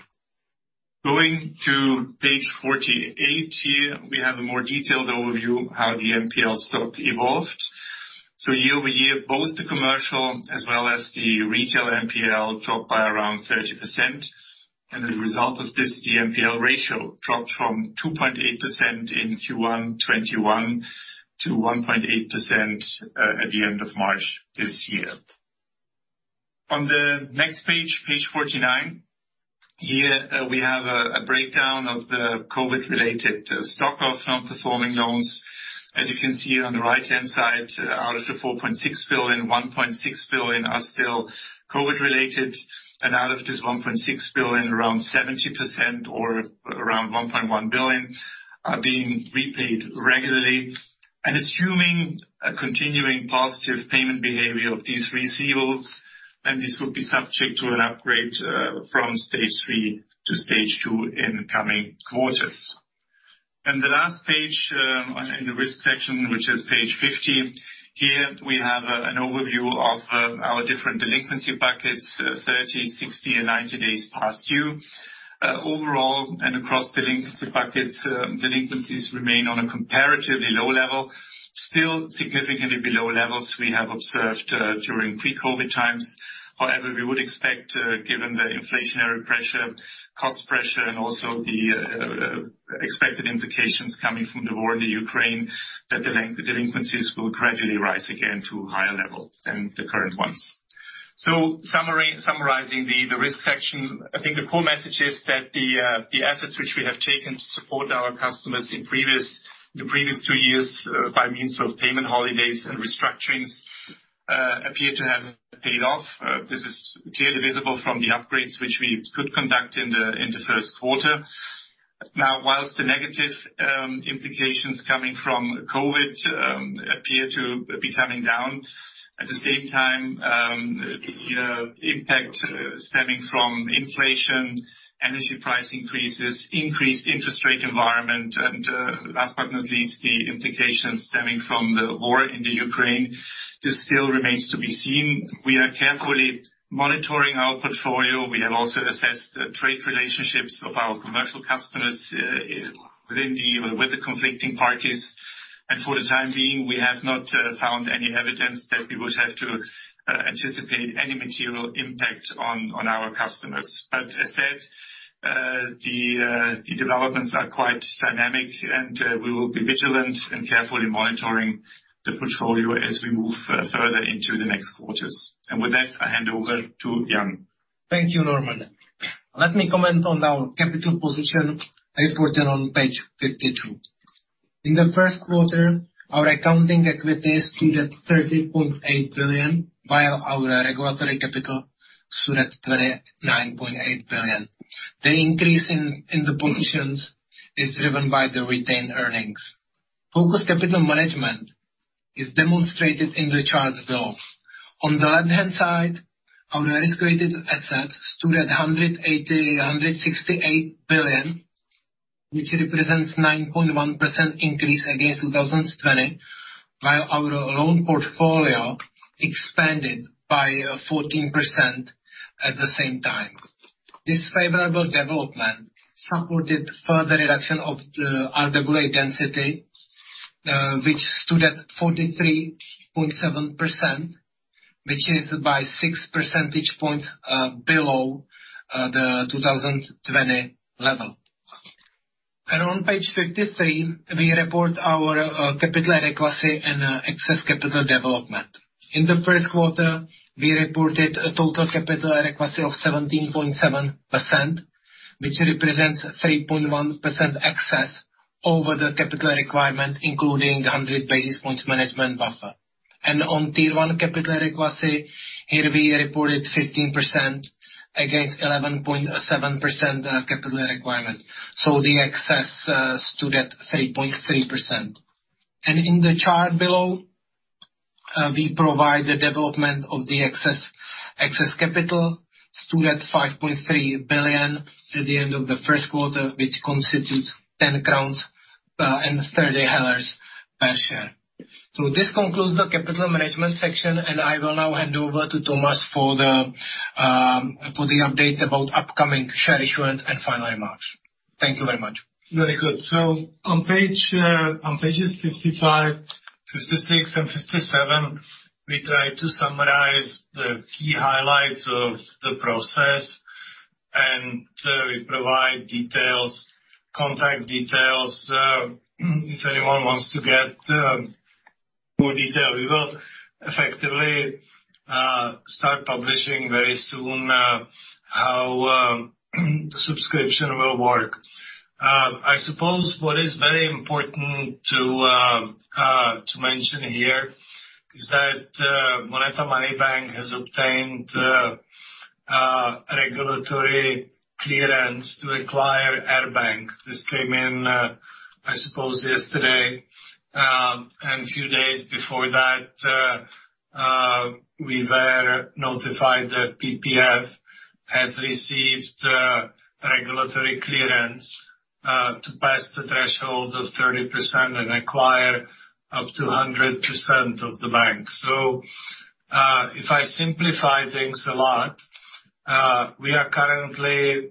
Going to page 48, here we have a more detailed overview how the NPL stock evolved. Year-over-year, both the commercial as well as the retail NPL dropped by around 30%. As a result of this, the NPL ratio dropped from 2.8% in Q1 2021 to 1.8% at the end of March this year. On the next page 49, here we have a breakdown of the COVID-related stock of non-performing loans. As you can see on the right-hand side, out of the 4.6 billion, 1.6 billion are still COVID-related. Out of this 1.6 billion, around 70% or around 1.1 billion are being repaid regularly. Assuming a continuing positive payment behavior of these receivables, then this would be subject to an upgrade from stage three to stage two in the coming quarters. The last page in the risk section, which is page 50, here we have an overview of our different delinquency buckets, 30, 60, and 90 days past due. Overall and across delinquency buckets, delinquencies remain on a comparatively low level, still significantly below levels we have observed during pre-COVID times. However, we would expect, given the inflationary pressure, cost pressure, and also the expected implications coming from the war in the Ukraine, that delinquencies will gradually rise again to higher level than the current ones. Summarizing the risk section, I think the core message is that the efforts which we have taken to support our customers in previous two years by means of payment holidays and restructurings appear to have paid off. This is clearly visible from the upgrades which we could conduct in the first quarter. Now, while the negative implications coming from COVID appear to be coming down, at the same time, the impact stemming from inflation, energy price increases, increased interest rate environment, and last but not least, the implications stemming from the war in Ukraine, this still remains to be seen. We are carefully monitoring our portfolio. We have also assessed the trade relationships of our commercial customers with the conflicting parties. For the time being, we have not found any evidence that we would have to anticipate any material impact on our customers. As said, the developments are quite dynamic, and we will be vigilant and carefully monitoring the portfolio as we move further into the next quarters. With that, I hand over to Jan. Thank you, Norman. Let me comment on our capital position reported on page 52. In the first quarter, our accounting equity stood at 30.8 billion, while our regulatory capital stood at 29.8 billion. The increase in the positions is driven by the retained earnings. Focused capital management is demonstrated in the charts below. On the left-hand side, our risk-weighted assets stood at 168 billion, which represents 9.1% increase against 2020, while our loan portfolio expanded by 14% at the same time. This favorable development supported further reduction of RWA density, which stood at 43.7%, which is by 6 percentage points below the 2020 level. On page 53, we report our capital adequacy and excess capital development. In the first quarter, we reported a total capital adequacy of 17.7%, which represents 3.1% excess over the capital requirement, including the 100 basis points management buffer. On tier one capital adequacy, here we reported 15% against 11.7% capital requirement. The excess stood at 3.3%. In the chart below, we provide the development of the excess capital stood at 5.3 billion at the end of the first quarter, which constitutes 10 crowns and 30 per share. This concludes the capital management section, and I will now hand over to Tomáš for the update about upcoming share issuance and final remarks. Thank you very much. Very good. On pages 55, 56, and 57, we try to summarize the key highlights of the process, and we provide details, contact details, if anyone wants to get more detail. We will effectively start publishing very soon, how subscription will work. I suppose what is very important to mention here is that MONETA Money Bank has obtained regulatory clearance to acquire Air Bank. This came in, I suppose yesterday, and a few days before that, we were notified that PPF has received regulatory clearance to pass the threshold of 30% and acquire up to 100% of the bank. If I simplify things a lot, we are currently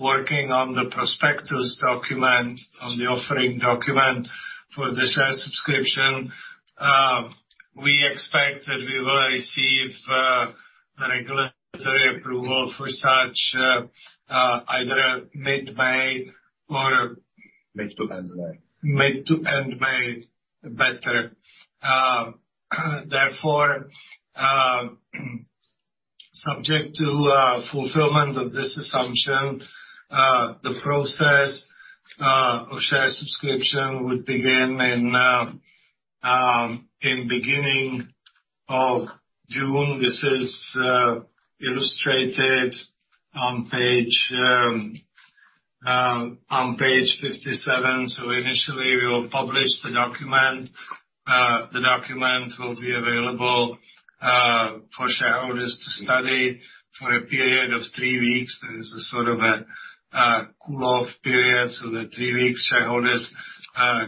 working on the prospectus document, on the offering document for the share subscription. We expect that we will receive regulatory approval for such either mid-May or. Mid to end May. Mid to end May, better. Therefore, subject to fulfillment of this assumption, the process of share subscription would begin in beginning of June. This is illustrated on page 57. Initially, we will publish the document. The document will be available for shareholders to study for a period of three weeks. There is a sort of cool-off period. The three weeks, shareholders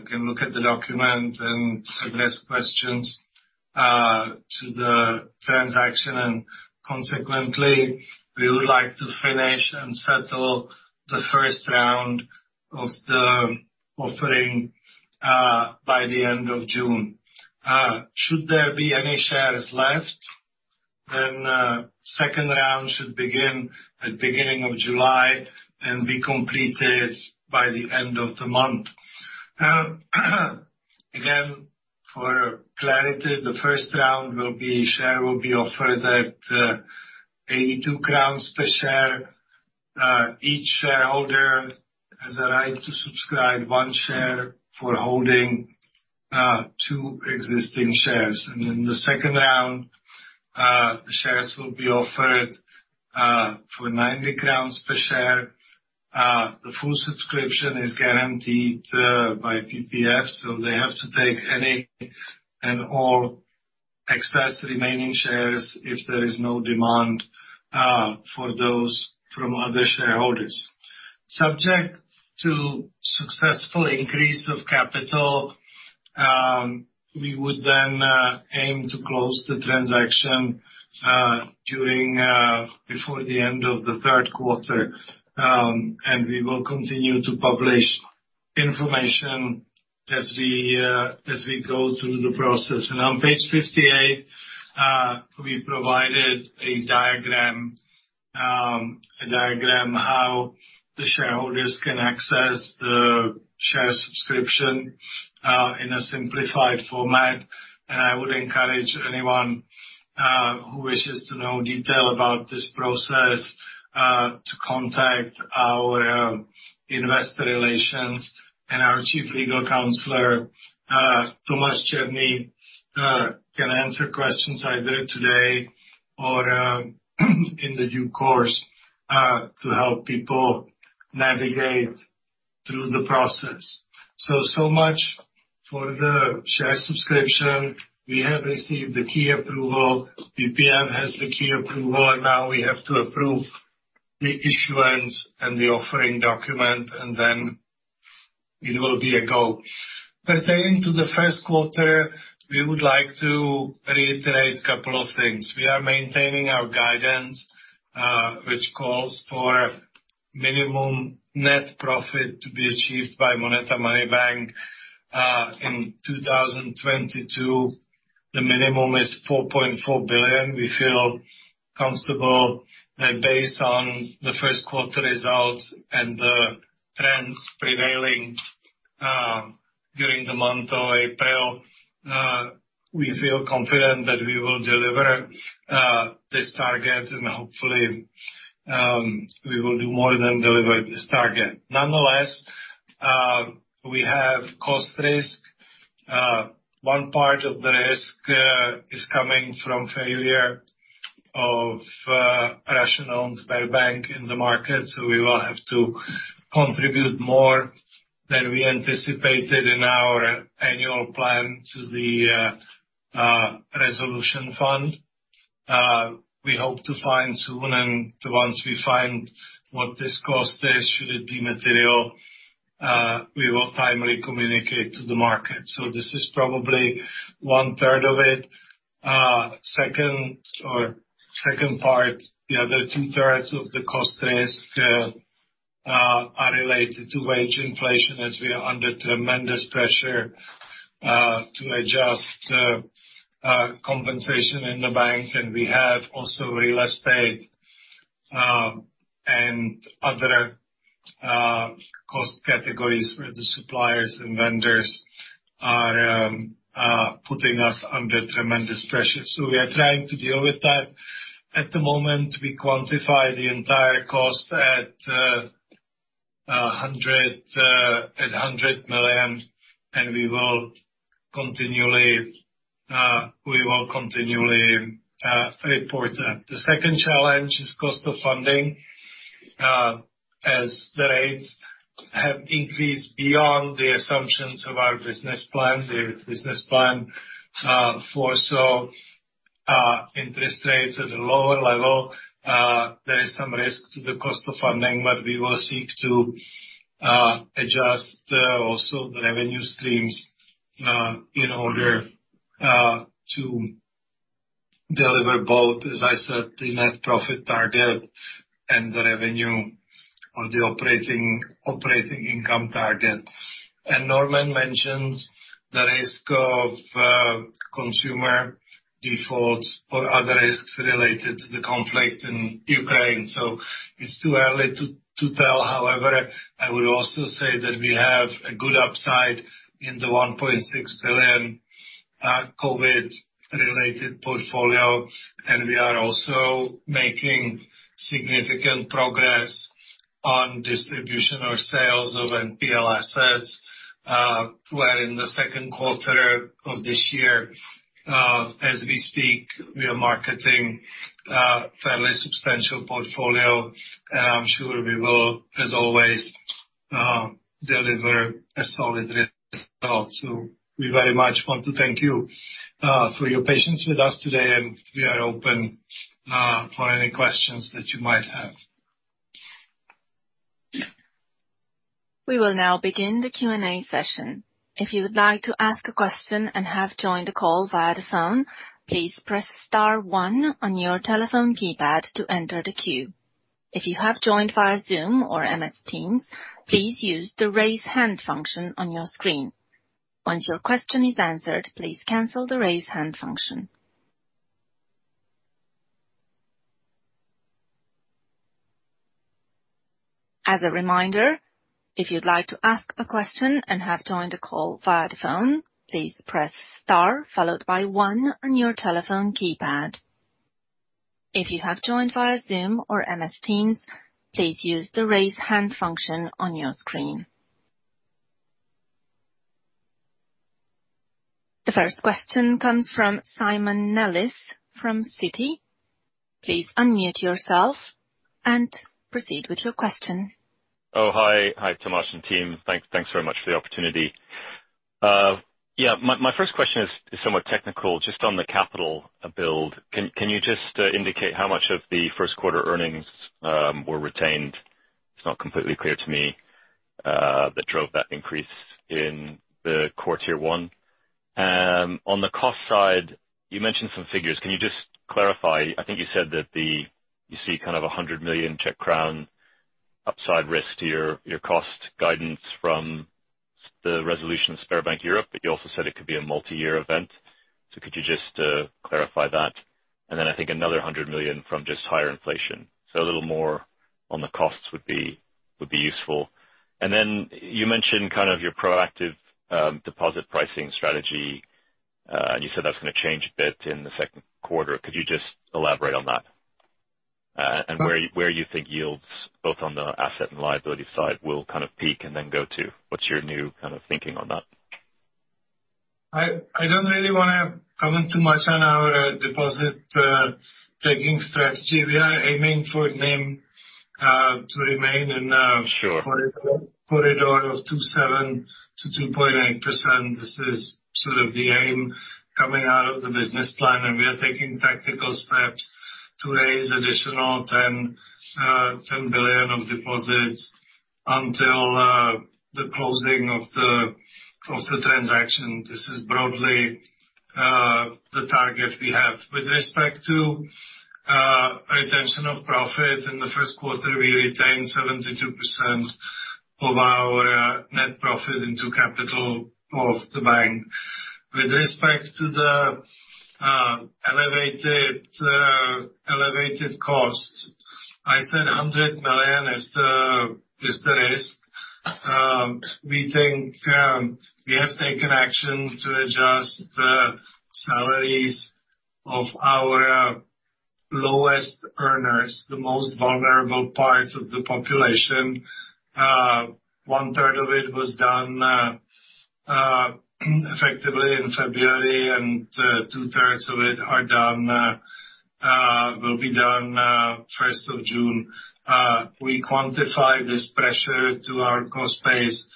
can look at the document and submit questions to the transaction, and consequently, we would like to finish and settle the first round of the offering by the end of June. Should there be any shares left, then second round should begin at beginning of July and be completed by the end of the month. Again, for clarity, the first round will be, shares will be offered at 82 crowns per share. Each shareholder has a right to subscribe one share for holding two existing shares. In the second round, the shares will be offered for 90 crowns per share. The full subscription is guaranteed by PPF, so they have to take any and all excess remaining shares if there is no demand for those from other shareholders. Subject to successful increase of capital, we would then aim to close the transaction before the end of the third quarter. We will continue to publish information as we go through the process. On page 58, we provided a diagram how the shareholders can access the share subscription in a simplified format. I would encourage anyone who wishes to know details about this process to contact our investor relations and our chief legal counselor, Tomáš Spurný, can answer questions either today or in due course to help people navigate through the process. So much for the share subscription. We have received the key approval. The PM has the key approval. Now we have to approve the issuance and the offering document, and then it will be a go. Pertaining to the first quarter, we would like to reiterate couple of things. We are maintaining our guidance, which calls for minimum net profit to be achieved by MONETA Money Bank in 2022. The minimum is 4.4 billion. We feel comfortable that based on the first quarter results and the trends prevailing during the month of April, we feel confident that we will deliver this target and hopefully we will do more than deliver this target. Nonetheless, we have cost risk. One part of the risk is coming from failure of Russian-owned Sberbank in the market, so we will have to contribute more than we anticipated in our annual plan to the resolution fund. We hope to find soon, and once we find what this cost is, should it be material, we will timely communicate to the market. This is probably 1/3 of it. Second part, the other 2/3 of the cost of risk are related to wage inflation as we are under tremendous pressure to adjust compensation in the bank, and we have also real estate and other cost categories where the suppliers and vendors are putting us under tremendous pressure. We are trying to deal with that. At the moment, we quantify the entire cost at 100 million, and we will continually report that. The second challenge is cost of funding as the rates have increased beyond the assumptions of our business plan. The business plan foresaw interest rates at a lower level. There is some risk to the cost of funding, but we will seek to adjust also the revenue streams in order to deliver both, as I said, the net profit target and the revenue or the operating income target. Norman mentions the risk of consumer defaults or other risks related to the conflict in Ukraine, so it's too early to tell. However, I would also say that we have a good upside in the 1.6 billion COVID-related portfolio, and we are also making significant progress on distribution or sales of NPL assets, where in the second quarter of this year, as we speak, we are marketing a fairly substantial portfolio. I'm sure we will, as always, deliver a solid result. We very much want to thank you for your patience with us today, and we are open for any questions that you might have. We will now begin the Q&A session. If you would like to ask a question and have joined the call via the phone, please press star one on your telephone keypad to enter the queue. If you have joined via Zoom or MS Teams, please use the Raise Hand function on your screen. Once your question is answered, please cancel the Raise Hand function. As a reminder, if you'd like to ask a question and have joined the call via the phone, please press Star followed by one on your telephone keypad. If you have joined via Zoom or MS Teams, please use the Raise Hand function on your screen. The first question comes from Simon Nellis from Citi. Please unmute yourself and proceed with your question. Oh, hi. Hi, Tomáš and team. Thanks very much for the opportunity. Yeah, my first question is somewhat technical, just on the capital build. Can you just indicate how much of the first quarter earnings were retained? It's not completely clear to me that drove that increase in the core Tier 1. On the cost side, you mentioned some figures. Can you just clarify? I think you said that you see kind of 100 million crown upside risk to your cost guidance from the resolution of Sberbank Europe, but you also said it could be a multi-year event. Could you just clarify that? Then I think another 100 million from just higher inflation. A little more on the costs would be useful. You mentioned kind of your proactive deposit pricing strategy. You said that's gonna change a bit in the second quarter. Could you just elaborate on that? Where you think yields both on the asset and liability side will kind of peak and then go to, what's your new kind of thinking on that? I don't really wanna comment too much on our deposit taking strategy. We are aiming for NIM to remain in- Sure Corridor of 2.7%-2.8%. This is sort of the aim coming out of the business plan. We are taking tactical steps to raise additional 10 billion of deposits until the closing of the transaction. This is broadly the target we have. With respect to retention of profit. In the first quarter, we retained 72% of our net profit into capital of the bank. With respect to the elevated costs, I said 100 million is the risk. We think we have taken action to adjust the salaries of our lowest earners, the most vulnerable part of the population. One-third of it was done effectively in February, and 2/2 of it will be done first of June. We quantify this pressure to our cost base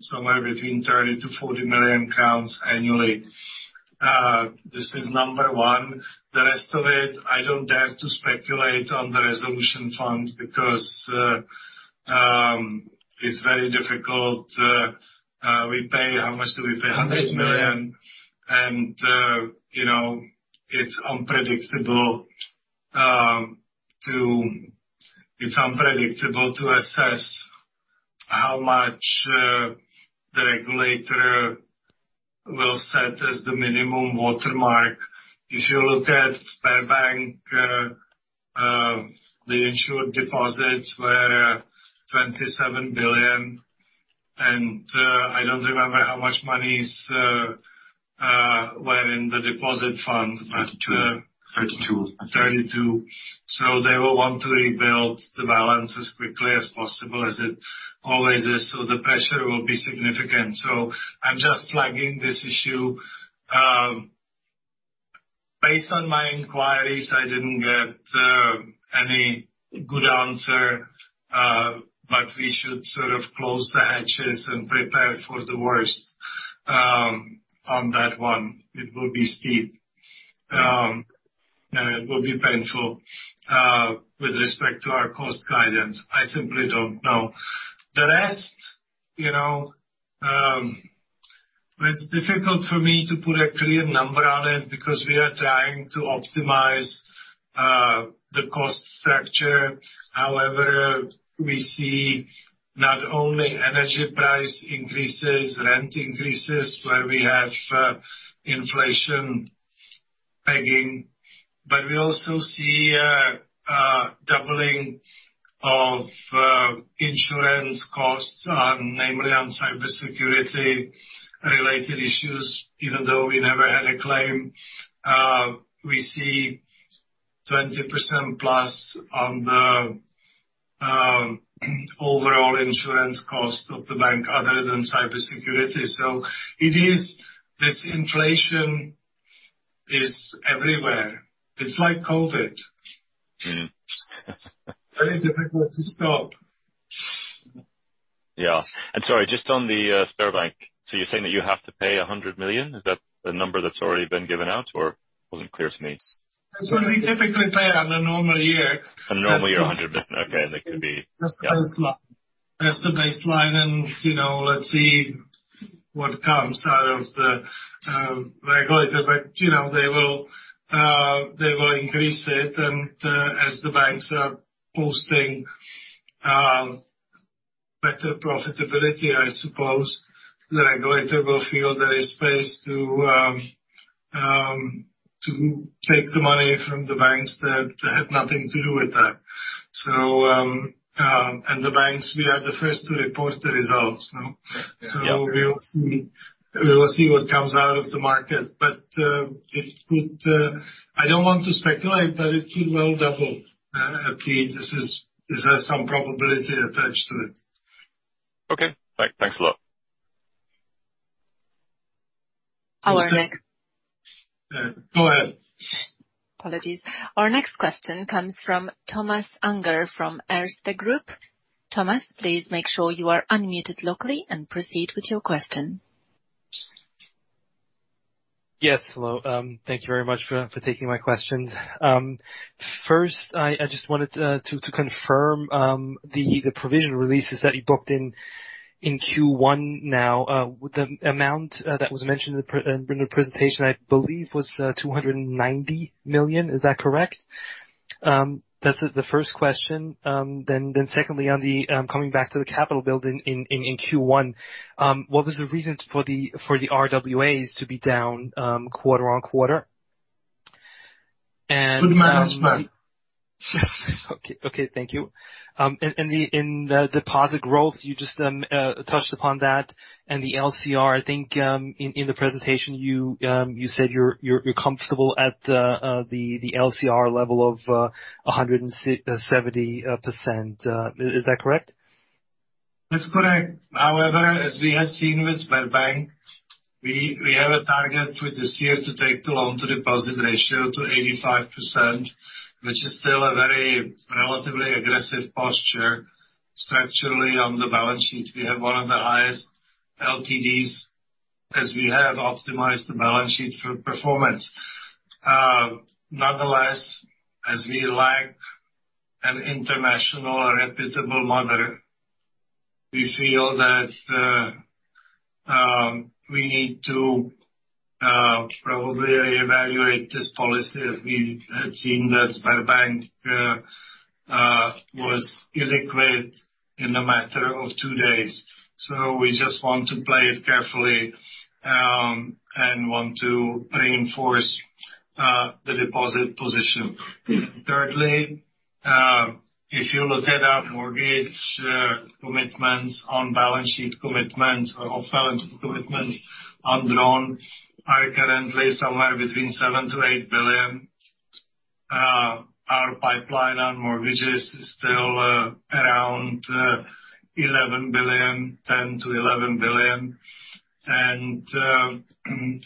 somewhere between 30 million-40 million crowns CZK annually. This is number one. The rest of it, I don't dare to speculate on the resolution fund because it's very difficult. We pay, how much do we pay? 100 million. You know, it's unpredictable to assess how much the regulator will set as the minimum watermark. If you look at Sberbank, the insured deposits were 27 billion. I don't remember how much money was in the deposit fund. 32 32. They will want to rebuild the balance as quickly as possible, as it always is, the pressure will be significant. I'm just flagging this issue. Based on my inquiries, I didn't get any good answer, but we should sort of close the hatches and prepare for the worst, on that one. It will be steep. It will be painful. With respect to our cost guidance, I simply don't know. The rest, you know, it's difficult for me to put a clear number on it because we are trying to optimize the cost structure. However, we see not only energy price increases, rent increases, where we have inflation pegging, but we also see a doubling of insurance costs on, namely on cybersecurity related issues, even though we never had a claim. We see 20%+ on the overall insurance cost of the bank other than cybersecurity. It is this inflation is everywhere. It's like COVID. Mm-hmm. Very difficult to stop. Yeah. Sorry, just on the Sberbank. So you're saying that you have to pay 100 million? Is that the number that's already been given out or? Wasn't clear to me. That's what we typically pay in a normal year. A normal year, 100 million. Okay, it could be. That's the baseline. You know, let's see what comes out of the regulator. You know, they will increase it. As the banks are posting better profitability, I suppose the regulator will feel there is space to take the money from the banks that had nothing to do with that. The banks, we are the first to report the results, no? Yeah. We'll see. We will see what comes out of the market. It could. I don't want to speculate, but it could well double, at least. There's some probability attached to it. Okay. Thanks a lot. Our next- Go ahead. Apologies. Our next question comes from Thomas Unger from Erste Group. Thomas, please make sure you are unmuted locally and proceed with your question. Yes. Hello. Thank you very much for taking my questions. First, I just wanted to confirm the provision releases that you booked in Q1 now with the amount that was mentioned in the presentation. I believe was 290 million. Is that correct? That's the first question. Then secondly, on the coming back to the capital build in Q1, what was the reasons for the RWAs to be down quarter-on-quarter? And Good management. Okay, thank you. In the deposit growth, you just touched upon that and the LCR. I think in the presentation, you said you're comfortable at the LCR level of 170%. Is that correct? That's correct. However, as we have seen with Sberbank, we have a target for this year to take the loan-to-deposit ratio to 85%, which is still a very relatively aggressive posture structurally on the balance sheet. We have one of the highest LTDs as we have optimized the balance sheet for performance. Nonetheless, as we lack an international reputable mother, we feel that we need to probably reevaluate this policy, as we have seen that Sberbank was illiquid in a matter of 2 days. We just want to play it carefully and want to reinforce the deposit position. Thirdly, if you look at our mortgage commitments on-balance sheet commitments or off-balance sheet commitments on loans are currently somewhere between 7 billion-8 billion. Our pipeline on mortgages is still around 11 billion, 10 billion-11 billion.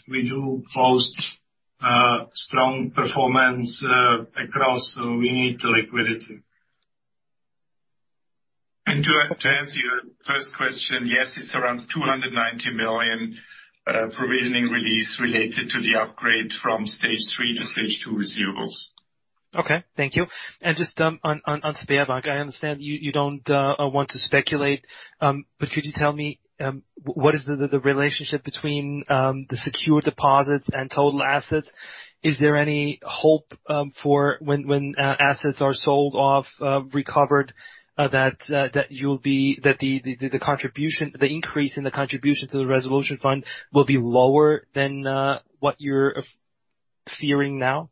We boast strong performance across, so we need the liquidity. To answer your first question, yes, it's around 290 million provisioning release related to the upgrade from stage three to stage two receivables. Okay. Thank you. Just on Sberbank, I understand you don't want to speculate, but could you tell me what is the relationship between the secure deposits and total assets? Is there any hope for when assets are sold off, recovered, that the increase in the contribution to the resolution fund will be lower than what you're fearing now?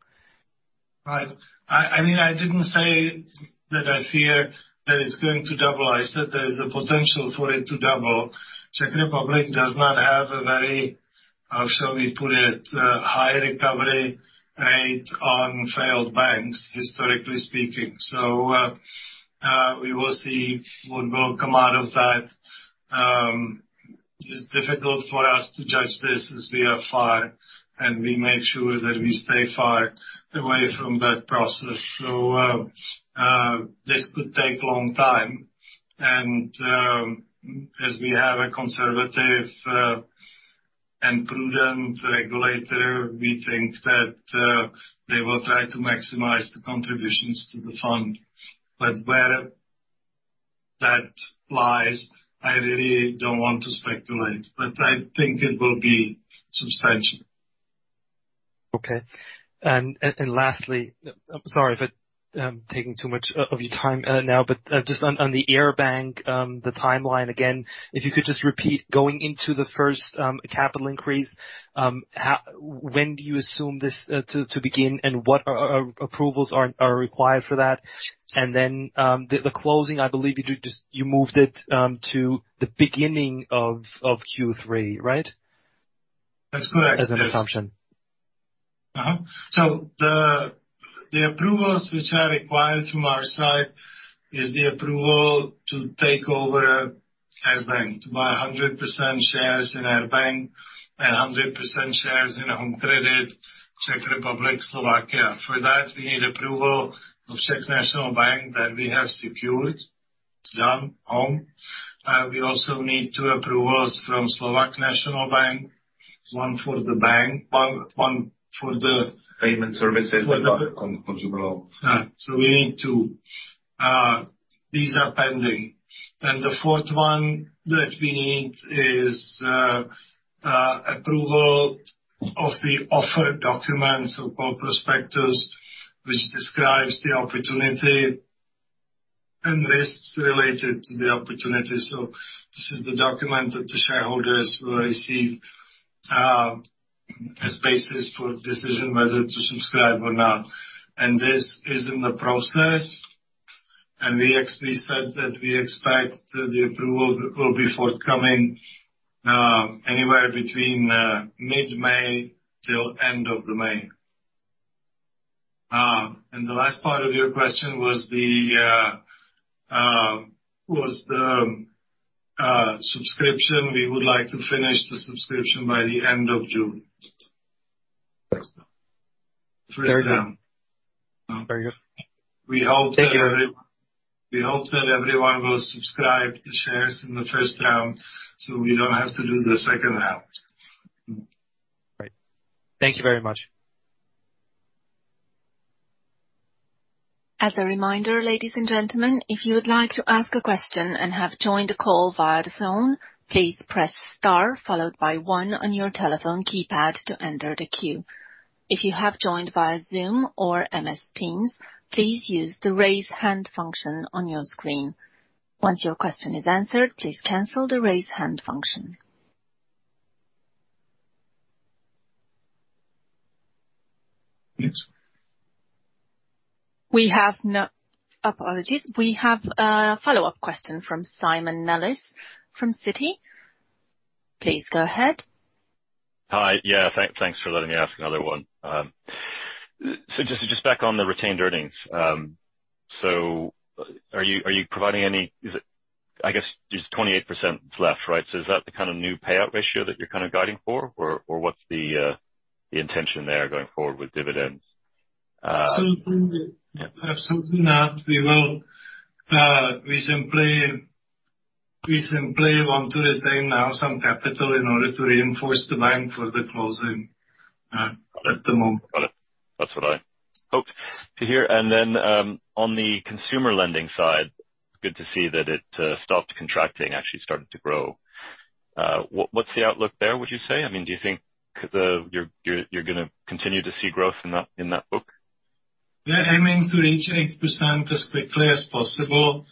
Right. I mean, I didn't say that I fear that it's going to double. I said there is the potential for it to double. Czech Republic does not have a very, how shall we put it, high recovery rate on failed banks, historically speaking. We will see what will come out of that. It's difficult for us to judge this as we are far, and we make sure that we stay far away from that process. This could take long time. As we have a conservative, and prudent regulator, we think that they will try to maximize the contributions to the fund. Where that lies, I really don't want to speculate, but I think it will be substantial. Okay. Lastly, I'm sorry for taking too much of your time now, but just on the Air Bank, the timeline again, if you could just repeat going into the first capital increase. When do you assume this to begin and what approvals are required for that? The closing, I believe you moved it to the beginning of Q3, right? That's correct. As an assumption. The approvals which are required from our side is the approval to take over Air Bank, to buy 100% shares in Air Bank and 100% shares in Home Credit, Czech Republic, Slovakia. For that, we need approval of Czech National Bank that we have secured. It's done. We also need two approvals from National Bank of Slovakia, one for the bank, one for the- Payment services on Zonky. We need two. These are pending. The fourth one that we need is approval of the offer documents or call prospectus, which describes the opportunity and risks related to the opportunity. This is the document that the shareholders will receive, as basis for decision whether to subscribe or not. This is in the process. We said that we expect the approval will be forthcoming, anywhere between mid-May till end of May. The last part of your question was the subscription. We would like to finish the subscription by the end of June. Thanks. First round. Very good. We hope that every. Thank you. We hope that everyone will subscribe to shares in the first round, so we don't have to do the second round. Great. Thank you very much. As a reminder, ladies and gentlemen, if you would like to ask a question and have joined the call via the phone, please press star followed by one on your telephone keypad to enter the queue. If you have joined via Zoom or MS Teams, please use the Raise Hand function on your screen. Once your question is answered, please cancel the Raise Hand function. Yes. Apologies. We have a follow-up question from Simon Nellis from Citi. Please go ahead. Hi. Yeah, thanks for letting me ask another one. Just back on the retained earnings. Is it, I guess, just 28% is left, right? Is that the kind of new payout ratio that you're kind of guiding for? Or what's the intention there going forward with dividends? Absolutely. Yeah. Absolutely not. We will, we simply want to retain now some capital in order to reinforce the bank for the closing, at the moment. Got it. That's what I hoped to hear. On the consumer lending side, good to see that it stopped contracting, actually started to grow. What's the outlook there, would you say? I mean, do you think you're gonna continue to see growth in that book? We're aiming to reach 8% as quickly as possible.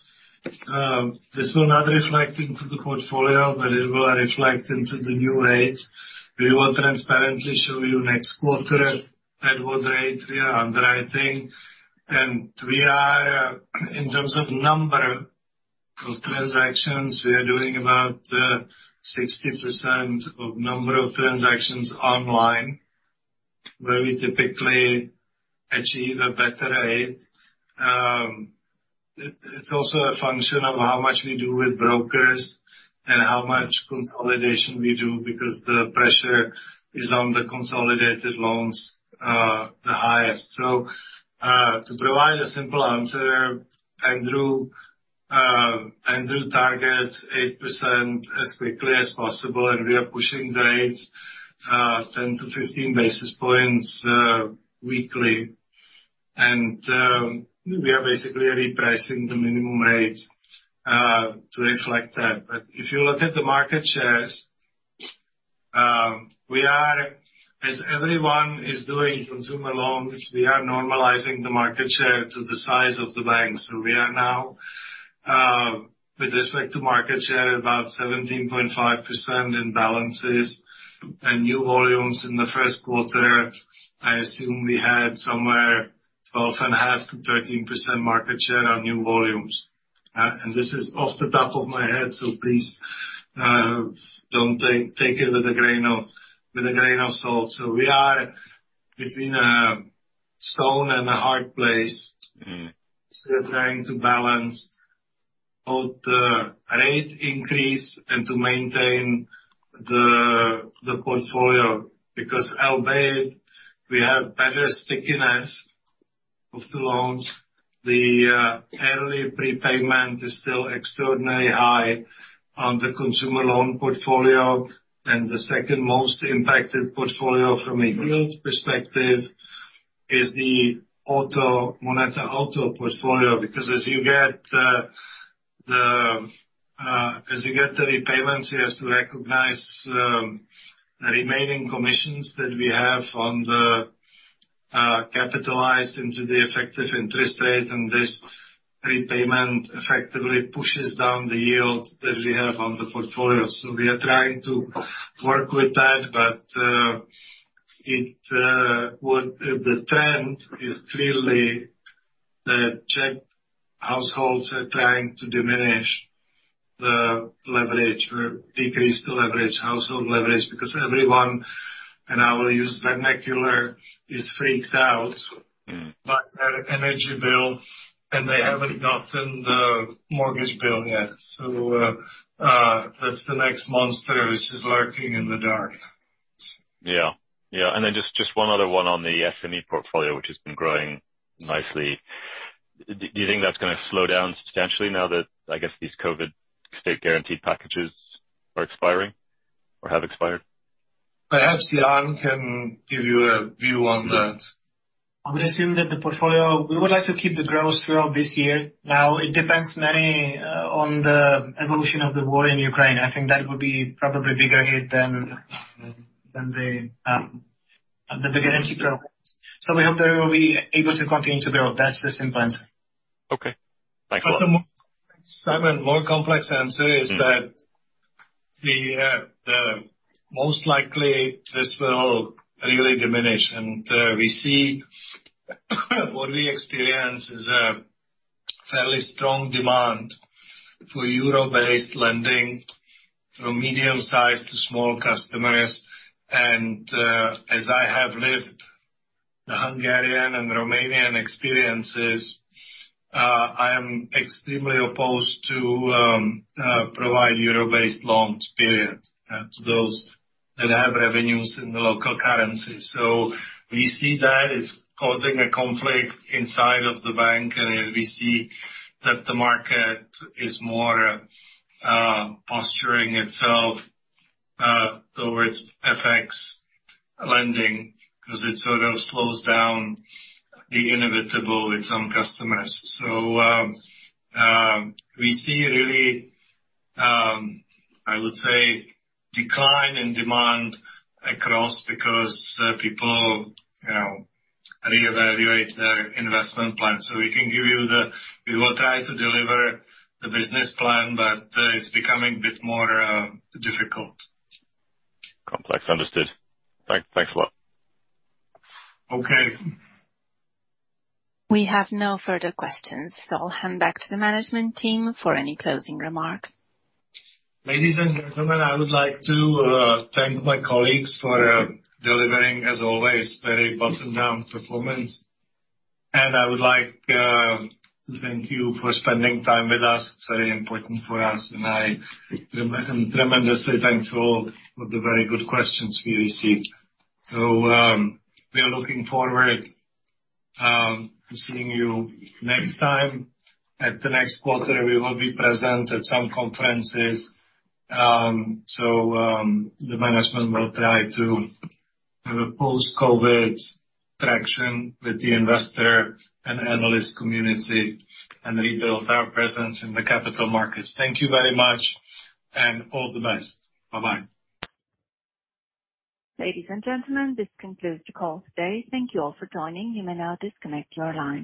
This will not reflect into the portfolio, but it will reflect into the new rates. We will transparently show you next quarter at what rate we are underwriting. We are, in terms of number of transactions, we are doing about 60% of number of transactions online, where we typically achieve a better rate. It's also a function of how much we do with brokers and how much consolidation we do, because the pressure is on the consolidated loans, the highest. To provide a simple answer, Andrew targets 8% as quickly as possible, and we are pushing the rates 10-15 basis points weekly. We are basically repricing the minimum rates to reflect that. If you look at the market shares, we are, as everyone is doing consumer loans, normalizing the market share to the size of the bank. We are now, with respect to market share, about 17.5% in balances. New volumes in the first quarter, I assume we had somewhere 12.5%-13% market share on new volumes. This is off the top of my head, so please don't take it with a grain of salt. We are between a rock and a hard place. Mm-hmm. We're trying to balance both the rate increase and to maintain the portfolio. Because albeit we have better stickiness of the loans, the early prepayment is still extraordinarily high on the consumer loan portfolio. The second most impacted portfolio from a yield perspective is the auto, MONETA Auto portfolio. Because as you get the repayments, you have to recognize the remaining commissions that we have on the capitalized into the effective interest rate. This repayment effectively pushes down the yield that we have on the portfolio. We are trying to work with that. The trend is clearly that Czech households are trying to diminish the leverage or decrease the leverage, household leverage, because everyone, and I will use vernacular, is freaked out. Mm. -by their energy bill, and they haven't gotten the mortgage bill yet. That's the next monster which is lurking in the dark. Just one other one on the SME portfolio, which has been growing nicely. Do you think that's gonna slow down substantially now that, I guess, these COVID state guaranteed packages are expiring or have expired? Perhaps Jan can give you a view on that. I would assume that the portfolio, we would like to keep the growth throughout this year. Now it depends mainly on the evolution of the war in Ukraine. I think that would be probably bigger hit than the guarantee programs. We hope that we'll be able to continue to grow. That's the simple answer. Okay. Thank you. Simon, the more complex answer is that the most likely this will really diminish. We see what we experience is a fairly strong demand for euro-based lending from medium-sized to small customers. As I have lived the Hungarian and Romanian experiences, I am extremely opposed to provide euro-based loans, period, to those that have revenues in the local currency. We see that it's causing a conflict inside of the bank, and we see that the market is more posturing itself towards FX lending because it sort of slows down the inevitable with some customers. We see really, I would say decline in demand across because people, you know, reevaluate their investment plan. We will try to deliver the business plan, but it's becoming a bit more difficult. Complex. Understood. Thanks a lot. Okay. We have no further questions, so I'll hand back to the management team for any closing remarks. Ladies and gentlemen, I would like to thank my colleagues for delivering, as always, very bottom-up performance. I would like to thank you for spending time with us. It's very important for us, and I am tremendously thankful for the very good questions we received. We are looking forward to seeing you next time. At the next quarter, we will be present at some conferences, the management will try to have a post-COVID interaction with the investor and analyst community and rebuild our presence in the capital markets. Thank you very much and all the best. Bye-bye. Ladies and gentlemen, this concludes the call today. Thank you all for joining. You may now disconnect your line.